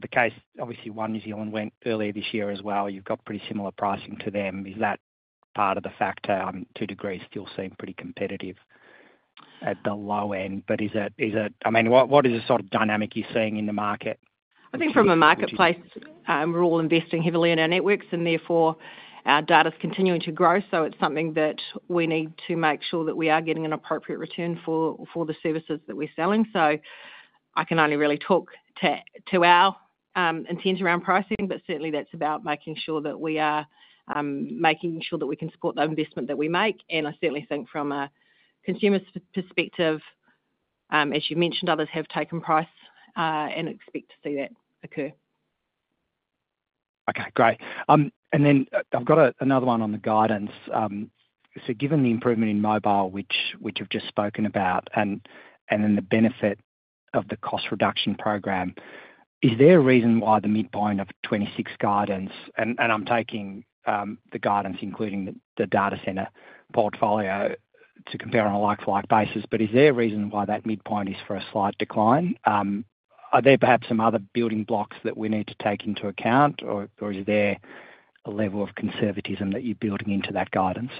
the case? Obviously, One New Zealand went earlier this year as well. You've got pretty similar pricing to them. Is that part of the factor? Two Degrees still seem pretty competitive at the low end. What is the sort of dynamic you're seeing in the market? I think from a marketplace, we're all investing heavily in our networks, and therefore our data is continuing to grow. It's something that we need to make sure that we are getting an appropriate return for the services that we're selling. I can only really talk to our intent around pricing, but certainly that's about making sure that we are making sure that we can support that investment that we make. I certainly think from a consumer perspective, as you've mentioned, others have taken price and expect to see that occur. Okay, great. I've got another one on the guidance. Given the improvement in mobile, which we've just spoken about, and the benefit of the cost reduction program, is there a reason why the midpoint of 2026 guidance, and I'm taking the guidance including the data center portfolio to compare on a like-for-like basis, is for a slight decline? Are there perhaps some other building blocks that we need to take into account, or is there a level of conservatism that you're building into that guidance?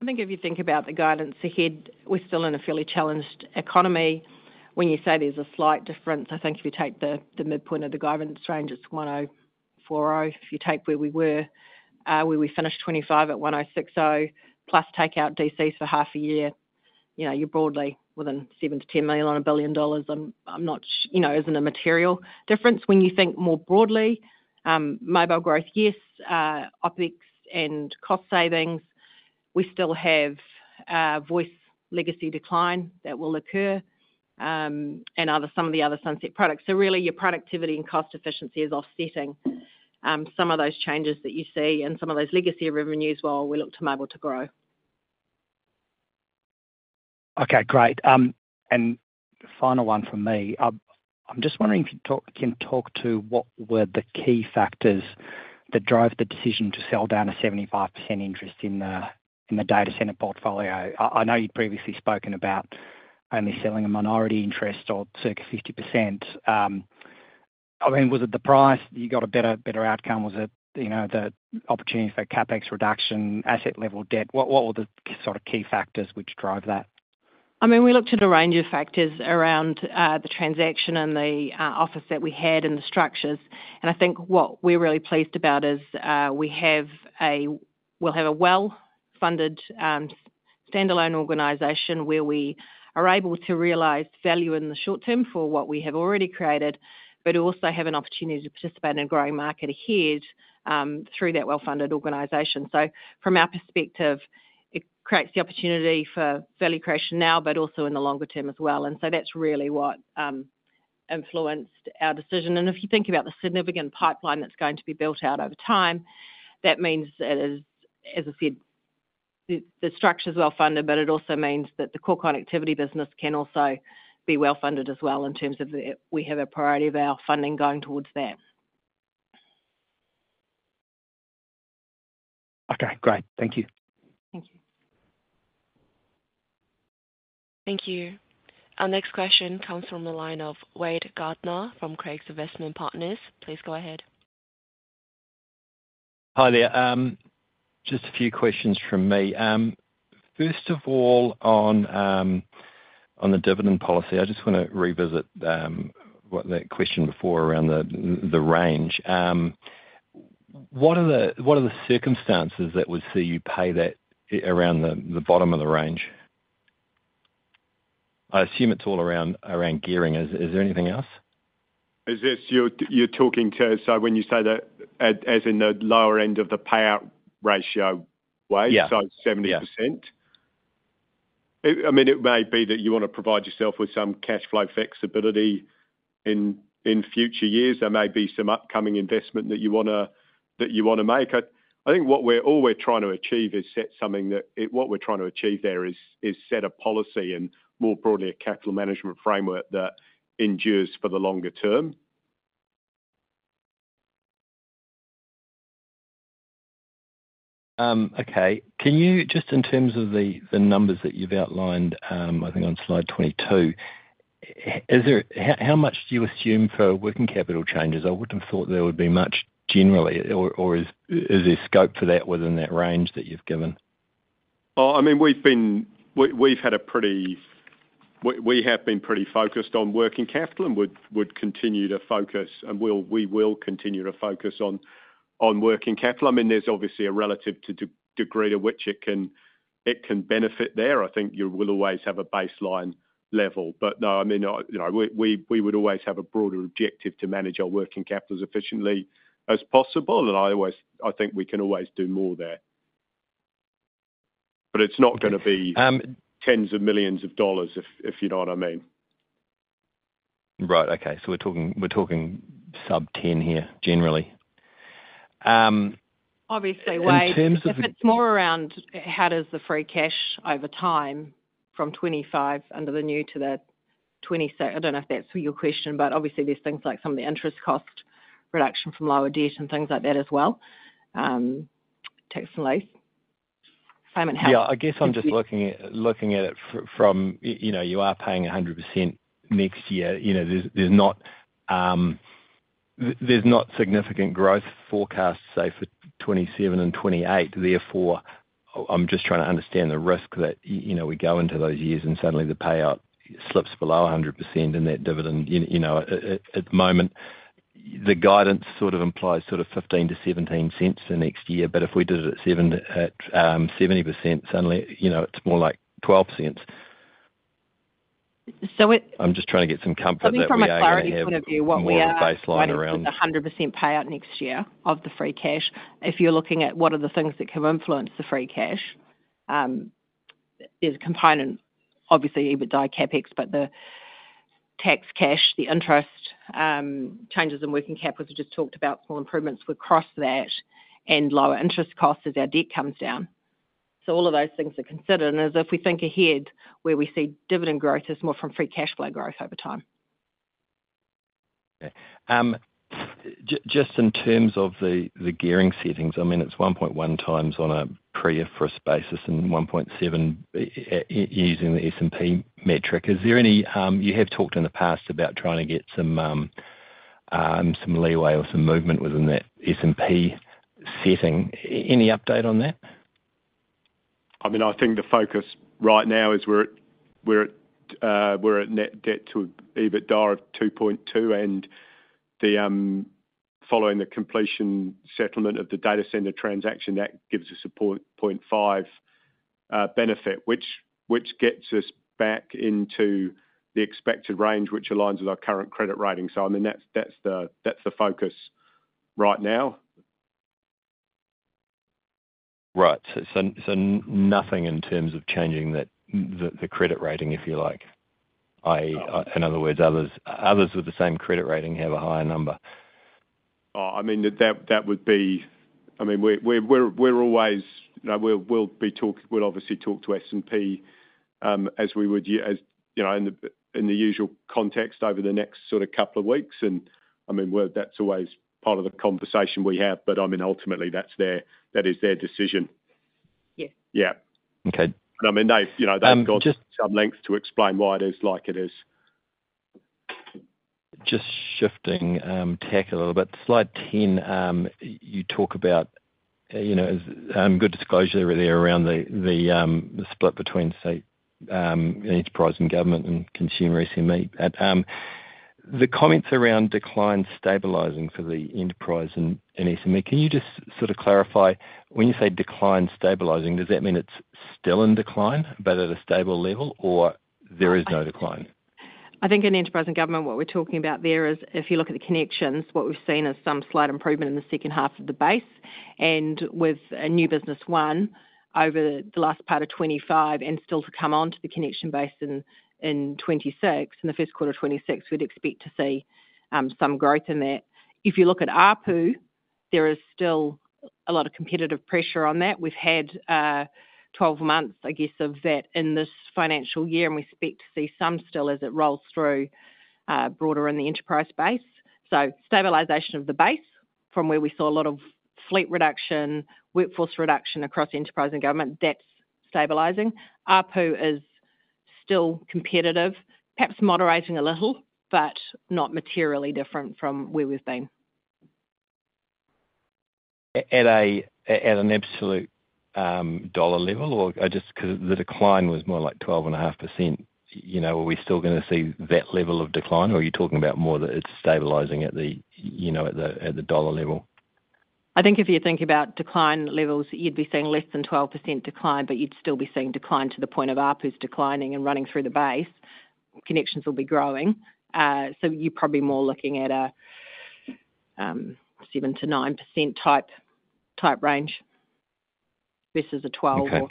I think if you think about the guidance ahead, we're still in a fairly challenged economy. When you say there's a slight difference, I think if you take the midpoint of the guidance range, it's 104 million. If you take where we were, where we finished 2025 at 106 million plus take out data centers for half a year, you're broadly within 7 million-10 million on a billion dollars. I'm not, you know, it isn't a material difference. When you think more broadly, mobile growth, yes, OpEx and cost savings. We still have a voice legacy decline that will occur and some of the other sunset products. Really, your productivity and cost efficiency is offsetting some of those changes that you see and some of those legacy revenues while we look to mobile to grow. Okay, great. The final one from me. I'm just wondering if you can talk to what were the key factors that drive the decision to sell down a 75% interest in the data center portfolio. I know you'd previously spoken about only selling a minority interest or circa 50%. I mean, was it the price? You got a better outcome? Was it, you know, the opportunity for a CapEx reduction, asset-level debt? What were the sort of key factors which drove that? I mean, we looked at a range of factors around the transaction and the offer that we had and the structures. I think what we're really pleased about is we will have a well-funded standalone organization where we are able to realize value in the short term for what we have already created, but also have an opportunity to participate in a growing market ahead through that well-funded organization. From our perspective, it creates the opportunity for value creation now, but also in the longer term as well. That's really what influenced our decision. If you think about the significant pipeline that's going to be built out over time, that means that, as I said, the structure is well-funded, but it also means that the core connectivity business can also be well-funded as well in terms of that we have a priority of our funding going towards that. Okay, great. Thank you. Thank you. Thank you. Our next question comes from a line of Wade Gardiner from Craigs Investment Partners. Please go ahead. Hi there. Just a few questions from me. First of all, on the dividend policy, I just want to revisit the question before around the range. What are the circumstances that would see you pay that around the bottom of the range? I assume it's all around gearing. Is there anything else? Is this you’re talking to, so when you say that as in the lower end of the payout ratio, wait, so 70%? Yeah. It may be that you want to provide yourself with some cash flow flexibility in future years. There may be some upcoming investment that you want to make. I think what we're all trying to achieve is set something that we're trying to achieve there, which is set a policy and more broadly a capital management framework that endures for the longer term. Okay. Can you, just in terms of the numbers that you've outlined, I think on slide 22, how much do you assume for working capital changes? I wouldn't have thought there would be much generally, or is there scope for that within that range that you've given? We've been pretty focused on working capital and we will continue to focus on working capital. There's obviously a relative degree to which it can benefit there. I think you will always have a baseline level. We would always have a broader objective to manage our working capital as efficiently as possible. I think we can always do more there. It's not going to be tens of millions of dollars, if you know what I mean. Right. Okay, we're talking sub-10 here generally. Obviously, Wade, it's more around how does the free cash over time from 2025 under the new to the 2027. I don't know if that's your question, but obviously there's things like some of the interest cost reduction from lower debt and things like that as well. Takes some leaves. Fame in house. I'm just looking at it from, you know, you are paying 100% next year. There's not significant growth forecast, say, for 2027 and 2028. Therefore, I'm just trying to understand the risk that we go into those years and suddenly the payout slips below 100% in that dividend. At the moment, the guidance sort of implies 0.15 to 0.17 next year. If we did it at 70%, suddenly, it's more like 0.12. I'm just trying to get some comfort. I think from a clarity point of view, what we are looking at is a 100% payout next year of the free cash. If you're looking at what are the things that can influence the free cash, there's a component, obviously, EBITDA, CapEx, but the tax cash, the interest, changes in working capital we just talked about, small improvements across that, and lower interest costs as our debt comes down. All of those things are considered. As we think ahead, where we see dividend growth is more from free cash flow growth over time. Just in terms of the gearing settings, I mean, it's 1.1x on a pre-IFRS basis and 1.7x using the S&P metric. Is there any, you have talked in the past about trying to get some leeway or some movement within that S&P setting. Any update on that? I think the focus right now is we're at net debt to EBITDA of 2.2x. Following the completion settlement of the data center transaction, that gives us a 0.5 benefit, which gets us back into the expected range, which aligns with our current credit rating. That's the focus right now. Right. Nothing in terms of changing the credit rating, if you like. In other words, others with the same credit rating have a higher number. We'll obviously talk to S&P as we would in the usual context over the next couple of weeks. That's always part of the conversation we have. Ultimately, that is their decision. Yeah. Yeah. Okay. They've got some length to explain why it is like it is. Just shifting tech a little bit, slide 10, you talk about good disclosure there around the split between, say, enterprise and government and consumer SME. The comments around decline stabilising for the enterprise and SME, can you just sort of clarify, when you say decline stabilising, does that mean it's still in decline, but at a stable level, or there is no decline? I think in enterprise and government, what we're talking about there is, if you look at the connections, what we've seen is some slight improvement in the second half of the base. With a new business won over the last part of 2025 and still to come onto the connection base in 2026, in the first quarter of 2026, we'd expect to see some growth in that. If you look at ARPU, there is still a lot of competitive pressure on that. We've had 12 months, I guess, of that in this financial year, and we expect to see some still as it rolls through broader in the enterprise base. Stabilization of the base from where we saw a lot of fleet reduction, workforce reduction across enterprise and government, that's stabilizing. ARPU is still competitive, perhaps moderating a little, but not materially different from where we've been. At an absolute dollar level, or just because the decline was more like 12.5%, are we still going to see that level of decline, or are you talking about more that it's stabilizing at the, you know, at the dollar level? I think if you're thinking about decline levels, you'd be seeing less than 12% decline, but you'd still be seeing decline to the point of ARPU's declining and running through the base. Connections will be growing, so you're probably more looking at a 7%-9%-type range. This is a 12% or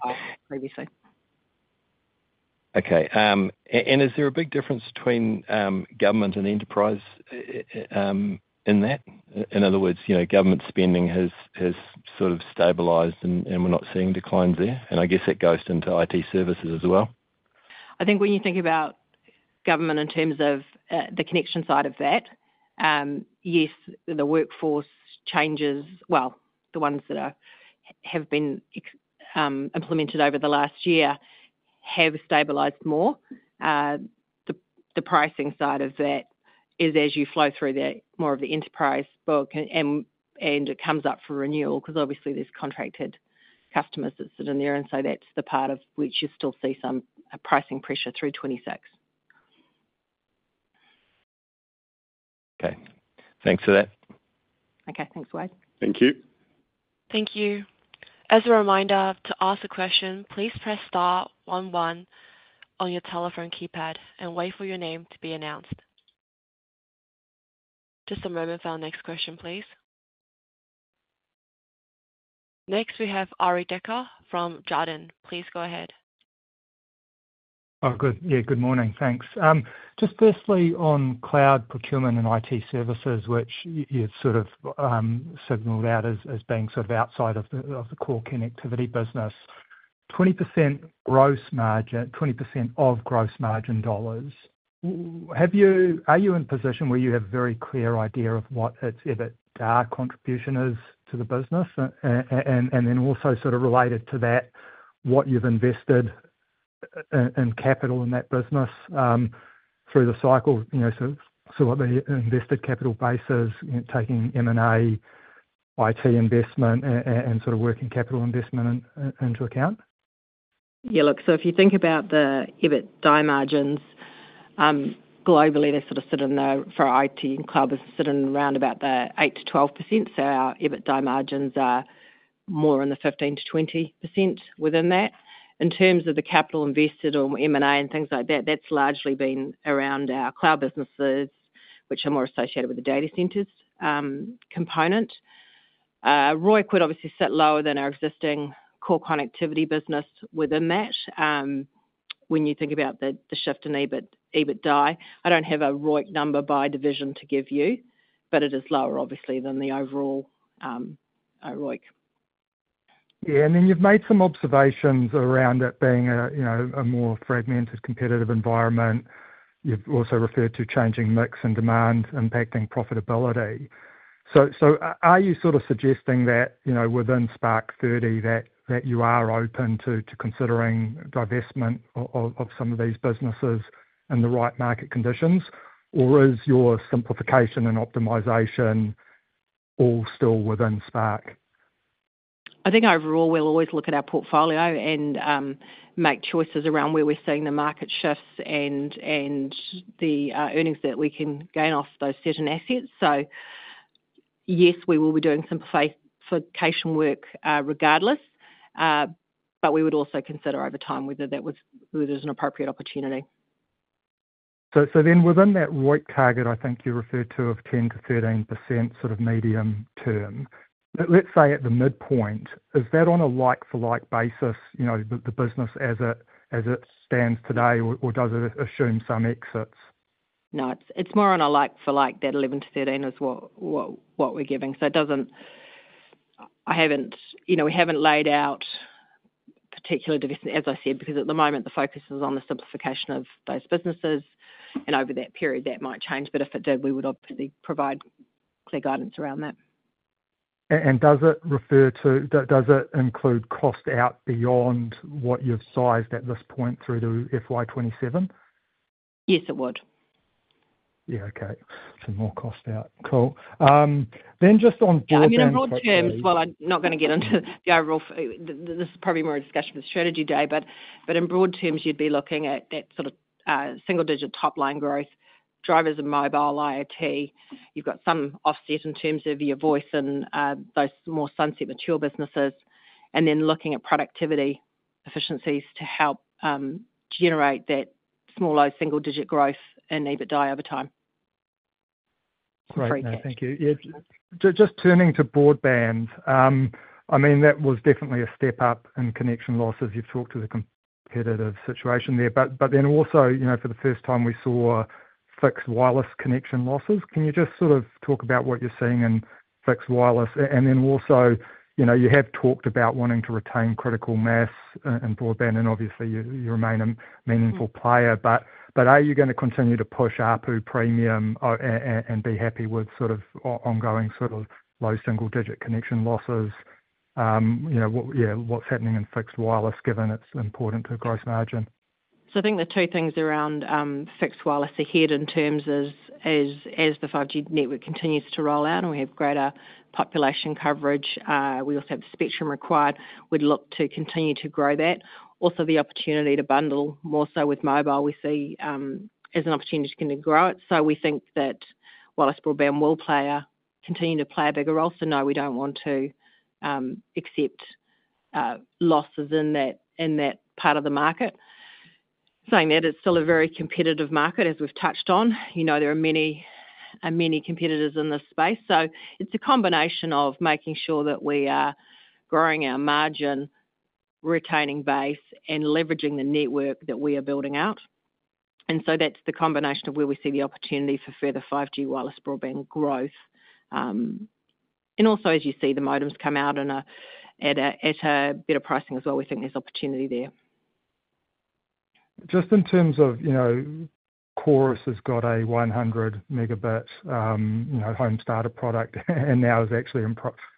previously. Okay. Is there a big difference between government and enterprise in that? In other words, you know, government spending has sort of stabilized, and we're not seeing declines there. I guess that goes into IT services as well. I think when you think about government in terms of the connection side of that, yes, the workforce changes, the ones that have been implemented over the last year have stabilized more. The pricing side of that is as you flow through that, more of the enterprise book, and it comes up for renewal because obviously there's contracted customers that sit in there. That is the part of which you still see some pricing pressure through 2026. Okay, thanks for that. Okay, thanks, Wade. Thank you. Thank you. As a reminder, to ask a question, please press star one one on your telephone keypad and wait for your name to be announced. Just a moment for our next question, please. Next, we have Arie Dekker from Jarden. Please go ahead. Oh, good. Yeah, good morning. Thanks. Just firstly on cloud procurement and IT services, which you had sort of signaled out as being sort of outside of the core connectivity business, 20% of gross margin dollars. Are you in a position where you have a very clear idea of what its EBITDA contribution is to the business? Also, sort of related to that, what you've invested in capital in that business through the cycle, you know, what the invested capital base is, taking M&A, IT investment, and sort of working capital investment into account? Yeah, look, if you think about the EBITDA margins, globally, they sort of sit in there for IT and cloud businesses sitting around about the 8%-12%. Our EBITDA margins are more in the 15%-20% within that. In terms of the capital invested or M&A and things like that, that's largely been around our cloud businesses, which are more associated with the data centers component. ROIC would obviously sit lower than our existing core connectivity business within that. When you think about the shift in EBITDA, I don't have a ROIC number by division to give you, but it is lower, obviously, than the overall ROIC. Yeah, you've made some observations around it being a more fragmented competitive environment. You've also referred to changing mix and demand impacting profitability. Are you sort of suggesting that within SPK-30 you are open to considering divestment of some of these businesses in the right market conditions, or is your simplification and optimization all still within Spark? I think overall we'll always look at our portfolio and make choices around where we're seeing the market shifts and the earnings that we can gain off those certain assets. Yes, we will be doing simplification work regardless, but we would also consider over time whether that was an appropriate opportunity. Within that ROIC target, I think you referred to of 10%-13% sort of medium term. Let's say at the midpoint, is that on a like-for-like basis, you know, the business as it stands today, or does it assume some exits? No, it's more on a like-for-like. That 11%-13% is what we're giving. It doesn't, you know, we haven't laid out particular dividends, as I said, because at the moment the focus is on the simplification of those businesses. Over that period, that might change, but if it did, we would obviously provide clear guidance around that. Does it refer to, does it include cost out beyond what you've sized at this point through to FY 2027? Yes, it would. Yeah, okay. More cost out. Cool. Just on broad terms. I mean, in broad terms, I'm not going to get into the overall, this is probably more a discussion for the strategy day. In broad terms, you'd be looking at that sort of single-digit top-line growth, drivers in mobile, IoT. You've got some offset in terms of your voice and those more sunset mature businesses. Looking at productivity efficiencies to help generate that smaller single-digit growth and EBITDA over time. Great. Thank you. Just turning to broadband, that was definitely a step up in connection losses. You've talked to the competitive situation there, but then also, for the first time we saw fixed wireless connection losses. Can you just sort of talk about what you're seeing in fixed wireless? Also, you have talked about wanting to retain critical mass in broadband, and obviously you remain a meaningful player. Are you going to continue to push ARPU premium and be happy with ongoing low single-digit connection losses? What's happening in fixed wireless given it's important to gross margin? I think the two things around fixed wireless ahead in terms of as the 5G network continues to roll out and we have greater population coverage, we also have the spectrum required, we'd look to continue to grow that. Also, the opportunity to bundle more so with mobile, we see as an opportunity to grow it. We think that wireless broadband will continue to play a bigger role. No, we don't want to accept losses in that part of the market. Saying that, it's still a very competitive market, as we've touched on, you know, there are many competitors in this space. It's a combination of making sure that we are growing our margin, retaining base, and leveraging the network that we are building out. That's the combination of where we see the opportunity for further 5G wireless broadband growth. Also, as you see, the modems come out at a better pricing as well. We think there's opportunity there. Just in terms of, you know, Chorus has got a 100 Mb, you know, home startup product and now is actually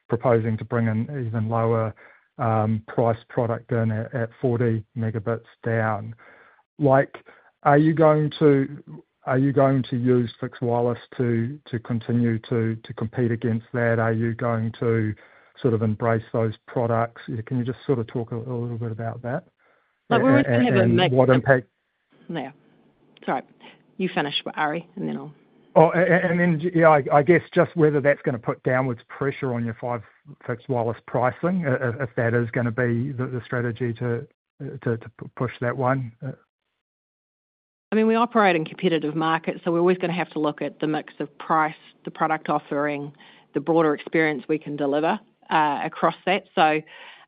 proposing to bring an even lower price product in at 40 Mb down. Are you going to use fixed wireless to continue to compete against that? Are you going to sort of embrace those products? Can you just sort of talk a little bit about that? We would have a mix. What impact? No, sorry. You finish, Arie, and then I'll. Oh, I guess just whether that's going to put downwards pressure on your 5G fixed wireless pricing, if that is going to be the strategy to push that one. We operate in competitive markets, so we're always going to have to look at the mix of price, the product offering, the broader experience we can deliver across that.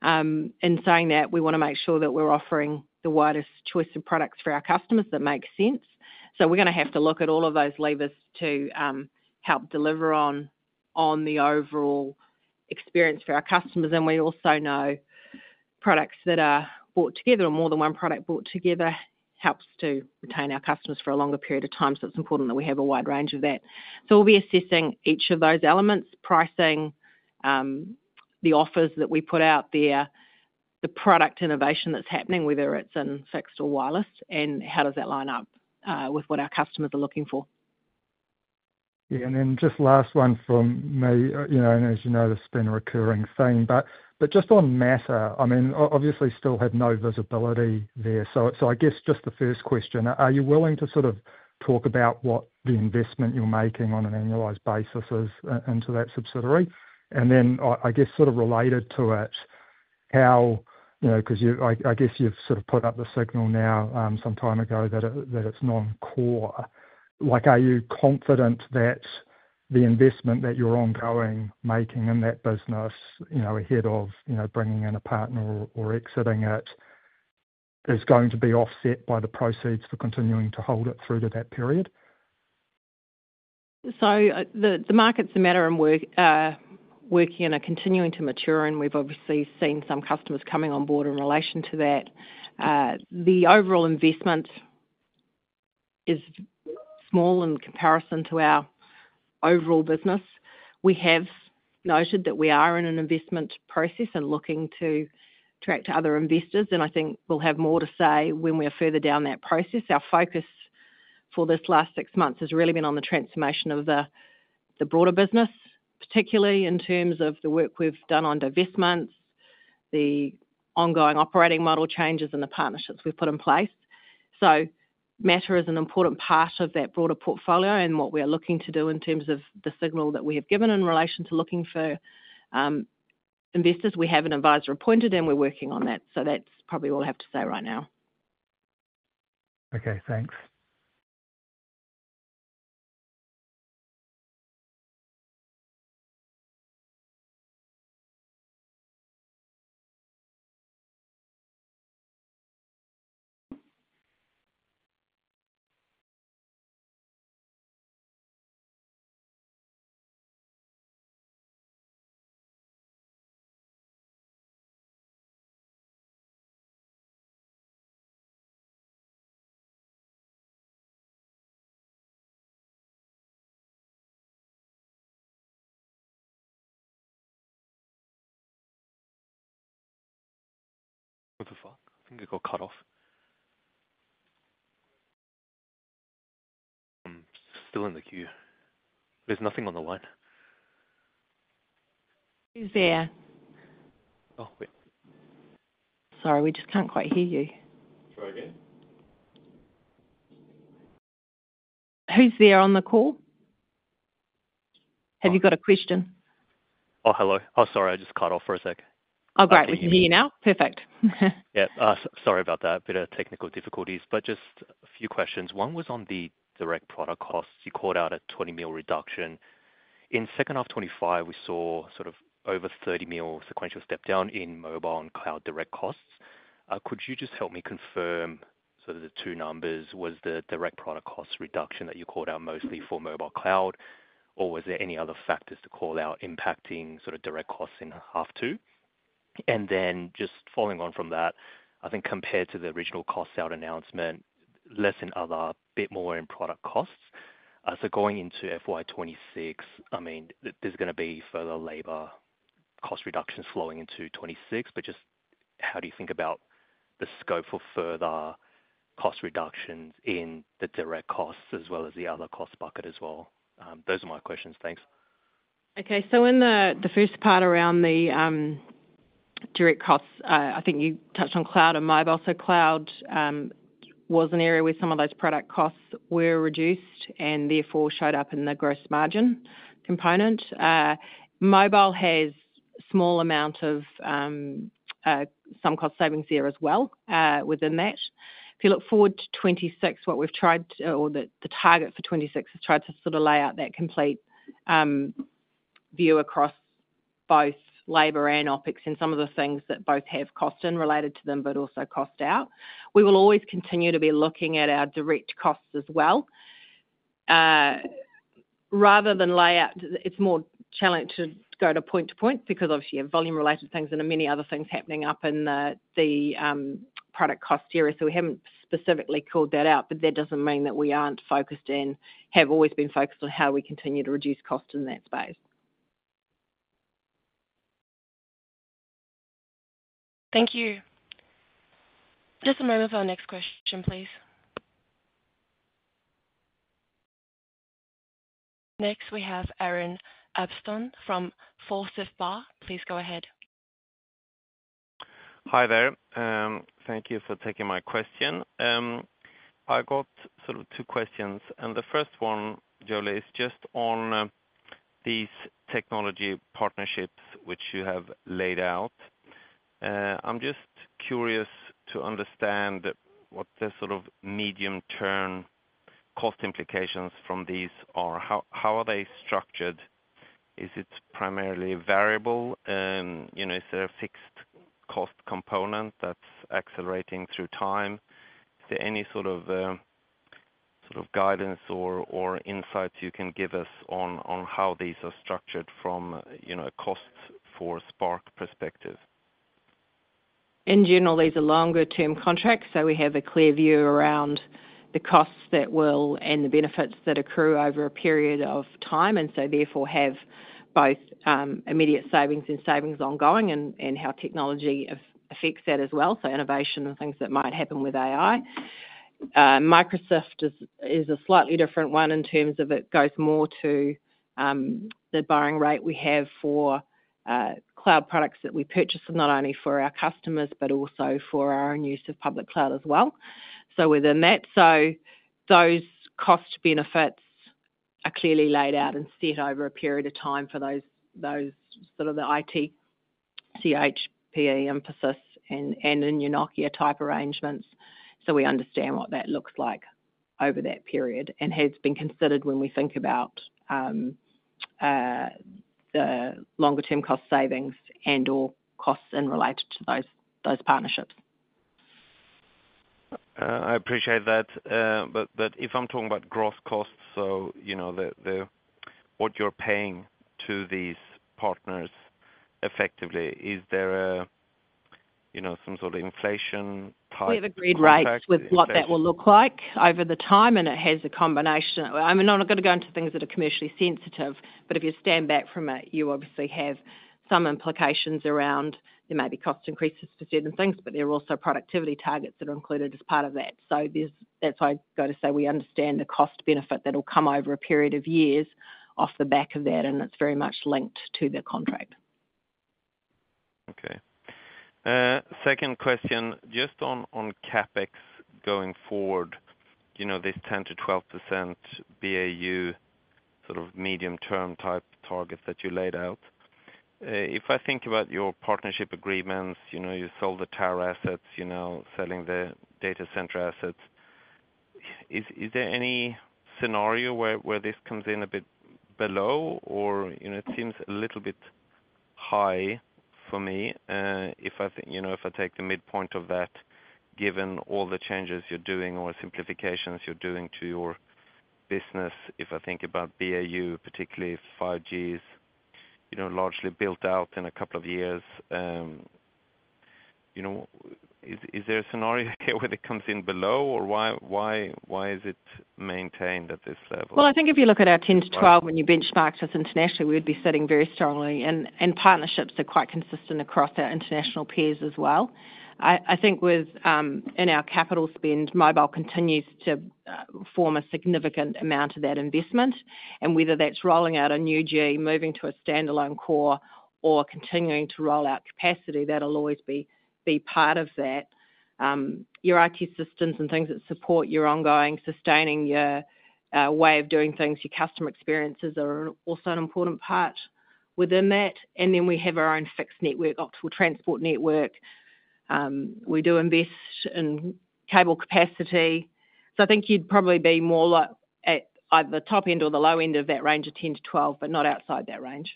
In saying that, we want to make sure that we're offering the widest choice of products for our customers that make sense. We're going to have to look at all of those levers to help deliver on the overall experience for our customers. We also know products that are bought together or more than one product bought together helps to retain our customers for a longer period of time. It's important that we have a wide range of that. We'll be assessing each of those elements: pricing, the offers that we put out there, the product innovation that's happening, whether it's in fixed or wireless, and how does that line up with what our customers are looking for. Yeah, and just last one from me, you know, as you know, this has been a recurring theme, just on MATTR. I mean, obviously still have no visibility there. I guess just the first question, are you willing to sort of talk about what the investment you're making on an annualized basis is into that subsidiary? I guess sort of related to it, how, you know, because I guess you've sort of put up the signal now some time ago that it's non-core. Are you confident that the investment that you're ongoing making in that business, ahead of bringing in a partner or exiting it, is going to be offset by the proceeds for continuing to hold it through to that period? The market's a matter of working and continuing to mature, and we've obviously seen some customers coming on board in relation to that. The overall investment is small in comparison to our overall business. We have noted that we are in an investment process and looking to track to other investors, and I think we'll have more to say when we are further down that process. Our focus for this last 6 months has really been on the transformation of the broader business, particularly in terms of the work we've done on divestments, the ongoing operating model changes, and the partnerships we've put in place. MATTR is an important part of that broader portfolio, and what we are looking to do in terms of the signal that we have given in relation to looking for investors, we have an advisor appointed, and we're working on that. That's probably all I have to say right now. Okay, thanks. What the fuck? I think it got cut off. I'm still in the queue. There's nothing on the what? Who's there? Oh, wait. Sorry, we just can't quite hear you. Who's there on the call? Have you got a question? Oh, hello. Sorry, I just cut off for a sec. Oh, great. We can hear you now. Perfect. Yeah, sorry about that. Bit of technical difficulties, but just a few questions. One was on the direct product costs. You called out a 20 million reduction. In second half 2025, we saw sort of over 30 million sequential step down in mobile and cloud direct costs. Could you just help me confirm sort of the two numbers? Was the direct product cost reduction that you called out mostly for mobile cloud, or was there any other factors to call out impacting sort of direct costs in half two? Just following on from that, I think compared to the original cost out announcement, less in other, a bit more in product costs. Going into FY 2026, I mean, there's going to be further labor cost reductions flowing into 2026, but just how do you think about the scope for further cost reductions in the direct costs as well as the other cost bucket as well? Those are my questions. Thanks. Okay, so in the first part around the direct costs, I think you touched on cloud and mobile. Cloud was an area where some of those product costs were reduced and therefore showed up in the gross margin component. Mobile has a small amount of some cost savings there as well within that. If you look forward to 2026, what we've tried, or the target for 2026, has tried to sort of lay out that complete view across both labor and OpEx and some of the things that both have cost in related to them, but also cost out. We will always continue to be looking at our direct costs as well. Rather than lay out, it's more challenging to go to point to point because obviously you have volume-related things and many other things happening up in the product cost area. We haven't specifically called that out, but that doesn't mean that we aren't focused and have always been focused on how we continue to reduce costs in that space. Thank you. Just a moment for our next question, please. Next, we have Aaron Ibbotson from Forsyth Barr. Please go ahead. Hi there. Thank you for taking my question. I got sort of two questions, and the first one, Jolie, is just on these technology partnerships which you have laid out. I'm just curious to understand what the sort of medium-term cost implications from these are. How are they structured? Is it primarily variable? Is there a fixed cost component that's accelerating through time? Is there any sort of guidance or insights you can give us on how these are structured from a costs for Spark perspective? In general, these are longer-term contracts, so we have a clear view around the costs that will and the benefits that accrue over a period of time, and therefore have both immediate savings and savings ongoing and how technology affects that as well, innovation and things that might happen with AI. Microsoft is a slightly different one in terms of it goes more to the borrowing rate we have for cloud products that we purchase, not only for our customers, but also for our own use of public cloud as well. Within that, those cost benefits are clearly laid out and set over a period of time for those IT products emphasis and in your Nokia-type arrangements. We understand what that looks like over that period and has been considered when we think about the longer-term cost savings and/or costs related to those partners. I appreciate that. If I'm talking about gross costs, so you know what you're paying to these partners effectively, is there some sort of inflation-type? We have agreed with what that will look like over the time, and it has a combination of, I mean, I'm not going to go into things that are commercially sensitive, but if you stand back from it, you obviously have some implications around there may be cost increases for certain things, but there are also productivity targets that are included as part of that. That's why I go to say we understand the cost benefit that will come over a period of years off the back of that, and it's very much linked to the contract. Okay. Second question, just on CapEx going forward, you know this 10%-12% BAU sort of medium-term-type targets that you laid out. If I think about your partnership agreements, you know you sold the tower assets, you know selling the data center assets, is there any scenario where this comes in a bit below or you know it seems a little bit high for me? If I think, you know if I take the midpoint of that, given all the changes you're doing or simplifications you're doing to your business, if I think about BAU, particularly 5G is largely built out in a couple of years, you know is there a scenario where it comes in below or why is it maintained at this level? If you look at our 10%-12%, when you benchmarked us internationally, we would be sitting very strongly, and partnerships are quite consistent across our international peers as well. I think within our capital spend, mobile continues to form a significant amount of that investment, and whether that's rolling out a new G, moving to a standalone core, or continuing to roll out capacity, that will always be part of that. Your IT systems and things that support your ongoing sustaining your way of doing things, your customer experiences, are also an important part within that. We have our own fixed network, optical transport network, and we do invest in cable capacity. I think you'd probably be more like at either the top end or the low end of that range of 10%-12%, but not outside that range.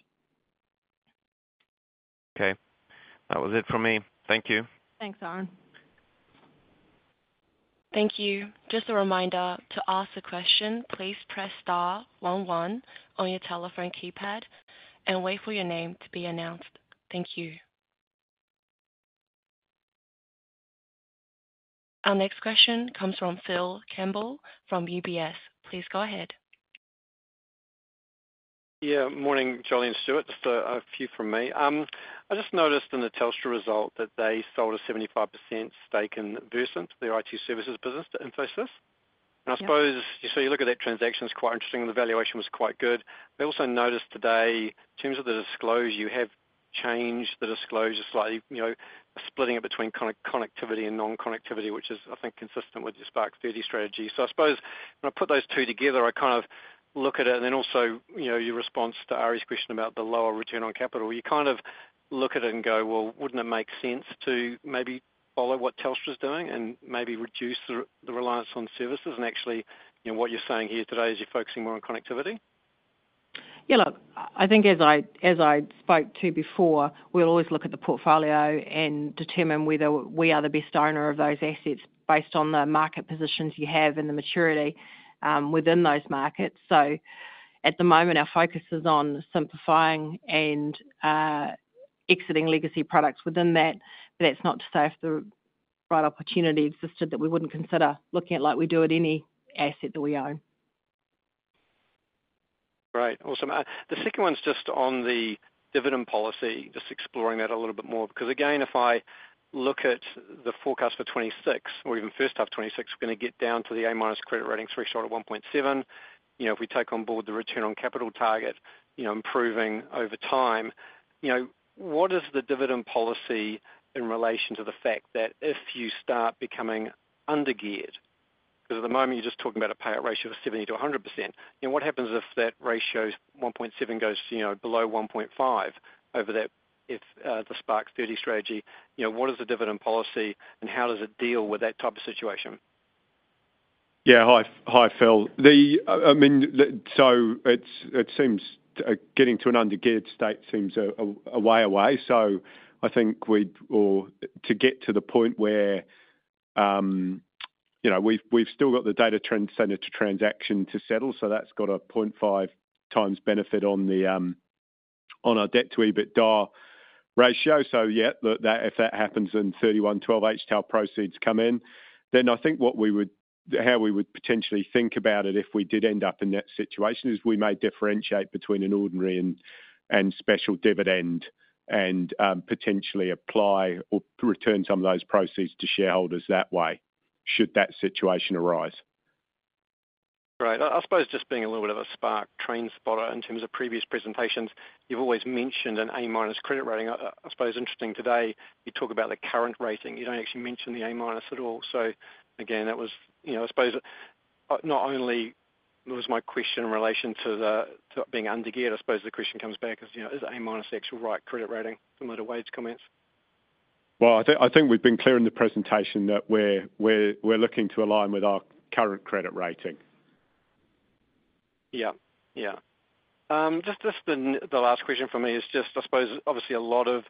Okay, that was it for me. Thank you. Thanks, Aaron. Thank you. Just a reminder to ask a question, please press star one one on your telephone keypad and wait for your name to be announced. Thank you. Our next question comes from Phil Campbell from UBS. Please go ahead. Yeah. Morning, Jolie and Stewart. Just a few from me. I just noticed in the Telstra result that they sold a 75% stake in Versent, their IT services business, to Infosys. I suppose you look at that transaction, it's quite interesting. The valuation was quite good. I also noticed today in terms of the disclosure, you have changed the disclosure slightly, splitting it between kind of connectivity and non-connectivity, which is, I think, consistent with your SPK-30 strategy. I suppose when I put those two together, I kind of look at it and then also your response to Arie's question about the lower return on capital, you kind of look at it and go, wouldn't it make sense to maybe follow what Telstra's doing and maybe reduce the reliance on services? Actually, what you're saying here today is you're focusing more on connectivity? I think as I spoke to before, we'll always look at the portfolio and determine whether we are the best owner of those assets based on the market positions you have and the maturity within those markets. At the moment, our focus is on simplifying and exiting legacy products within that. That's not to say if the right opportunity existed that we wouldn't consider looking at, like we do at any asset that we own. Right. Awesome. The second one's just on the dividend policy, just exploring that a little bit more because again, if I look at the forecast for 2026 or even first half of 2026, we're going to get down to the A- credit rating threshold at 1.7. You know if we take on board the return on capital target, you know improving over time, you know what is the dividend policy in relation to the fact that if you start becoming under-geared? Because at the moment, you're just talking about a payout ratio of 70% to 100%. You know what happens if that ratio 1.7 goes below 1.5 over that? If the SPK-30 strategy, you know what is the dividend policy and how does it deal with that type of situation? Yeah, hi, Phil. I mean, it seems getting to an under-geared state seems a way away. I think to get to the point where, you know, we've still got the data center transaction to settle. That's got a 0.5x benefit on our net debt to EBITDA ratio. If that happens and 31/12 HTAL proceeds come in, then I think what we would, how we would potentially think about it if we did end up in that situation is we may differentiate between an ordinary and special dividend and potentially apply or return some of those proceeds to shareholders that way should that situation arise. Right. I suppose just being a little bit of a Spark train spotter in terms of previous presentations, you've always mentioned an A- credit rating. I suppose interesting today, you talk about the current rating, you don't actually mention the A- at all. That was, you know, I suppose not only was my question in relation to being under-geared, I suppose the question comes back as, you know, is A- the actual right credit rating from a little wage comment? I think we've been clear in the presentation that we're looking to align with our current credit rating. Just the last question for me is, I suppose obviously a lot of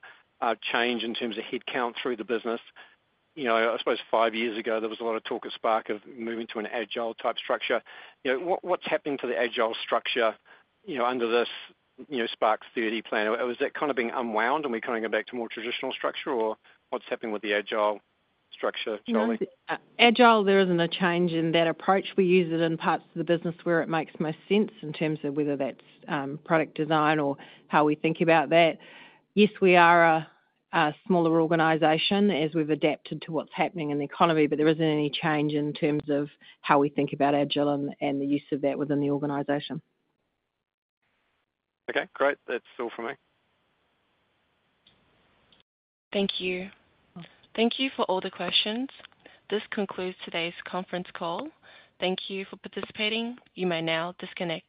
change in terms of headcount through the business. I suppose five years ago there was a lot of talk at Spark of moving to an agile-type structure. What's happening to the agile structure under this SPK-30 plan? Is that kind of being unwound and we're kind of going back to a more traditional structure, or what's happening with the agile structure, Jolie? Agile, there isn't a change in that approach. We use it in parts of the business where it makes most sense in terms of whether that's product design or how we think about that. Yes, we are a smaller organization as we've adapted to what's happening in the economy, but there isn't any change in terms of how we think about agile and the use of that within the organization. Okay, great. That's all for me. Thank you. Thank you for all the questions. This concludes today's conference call. Thank you for participating. You may now disconnect.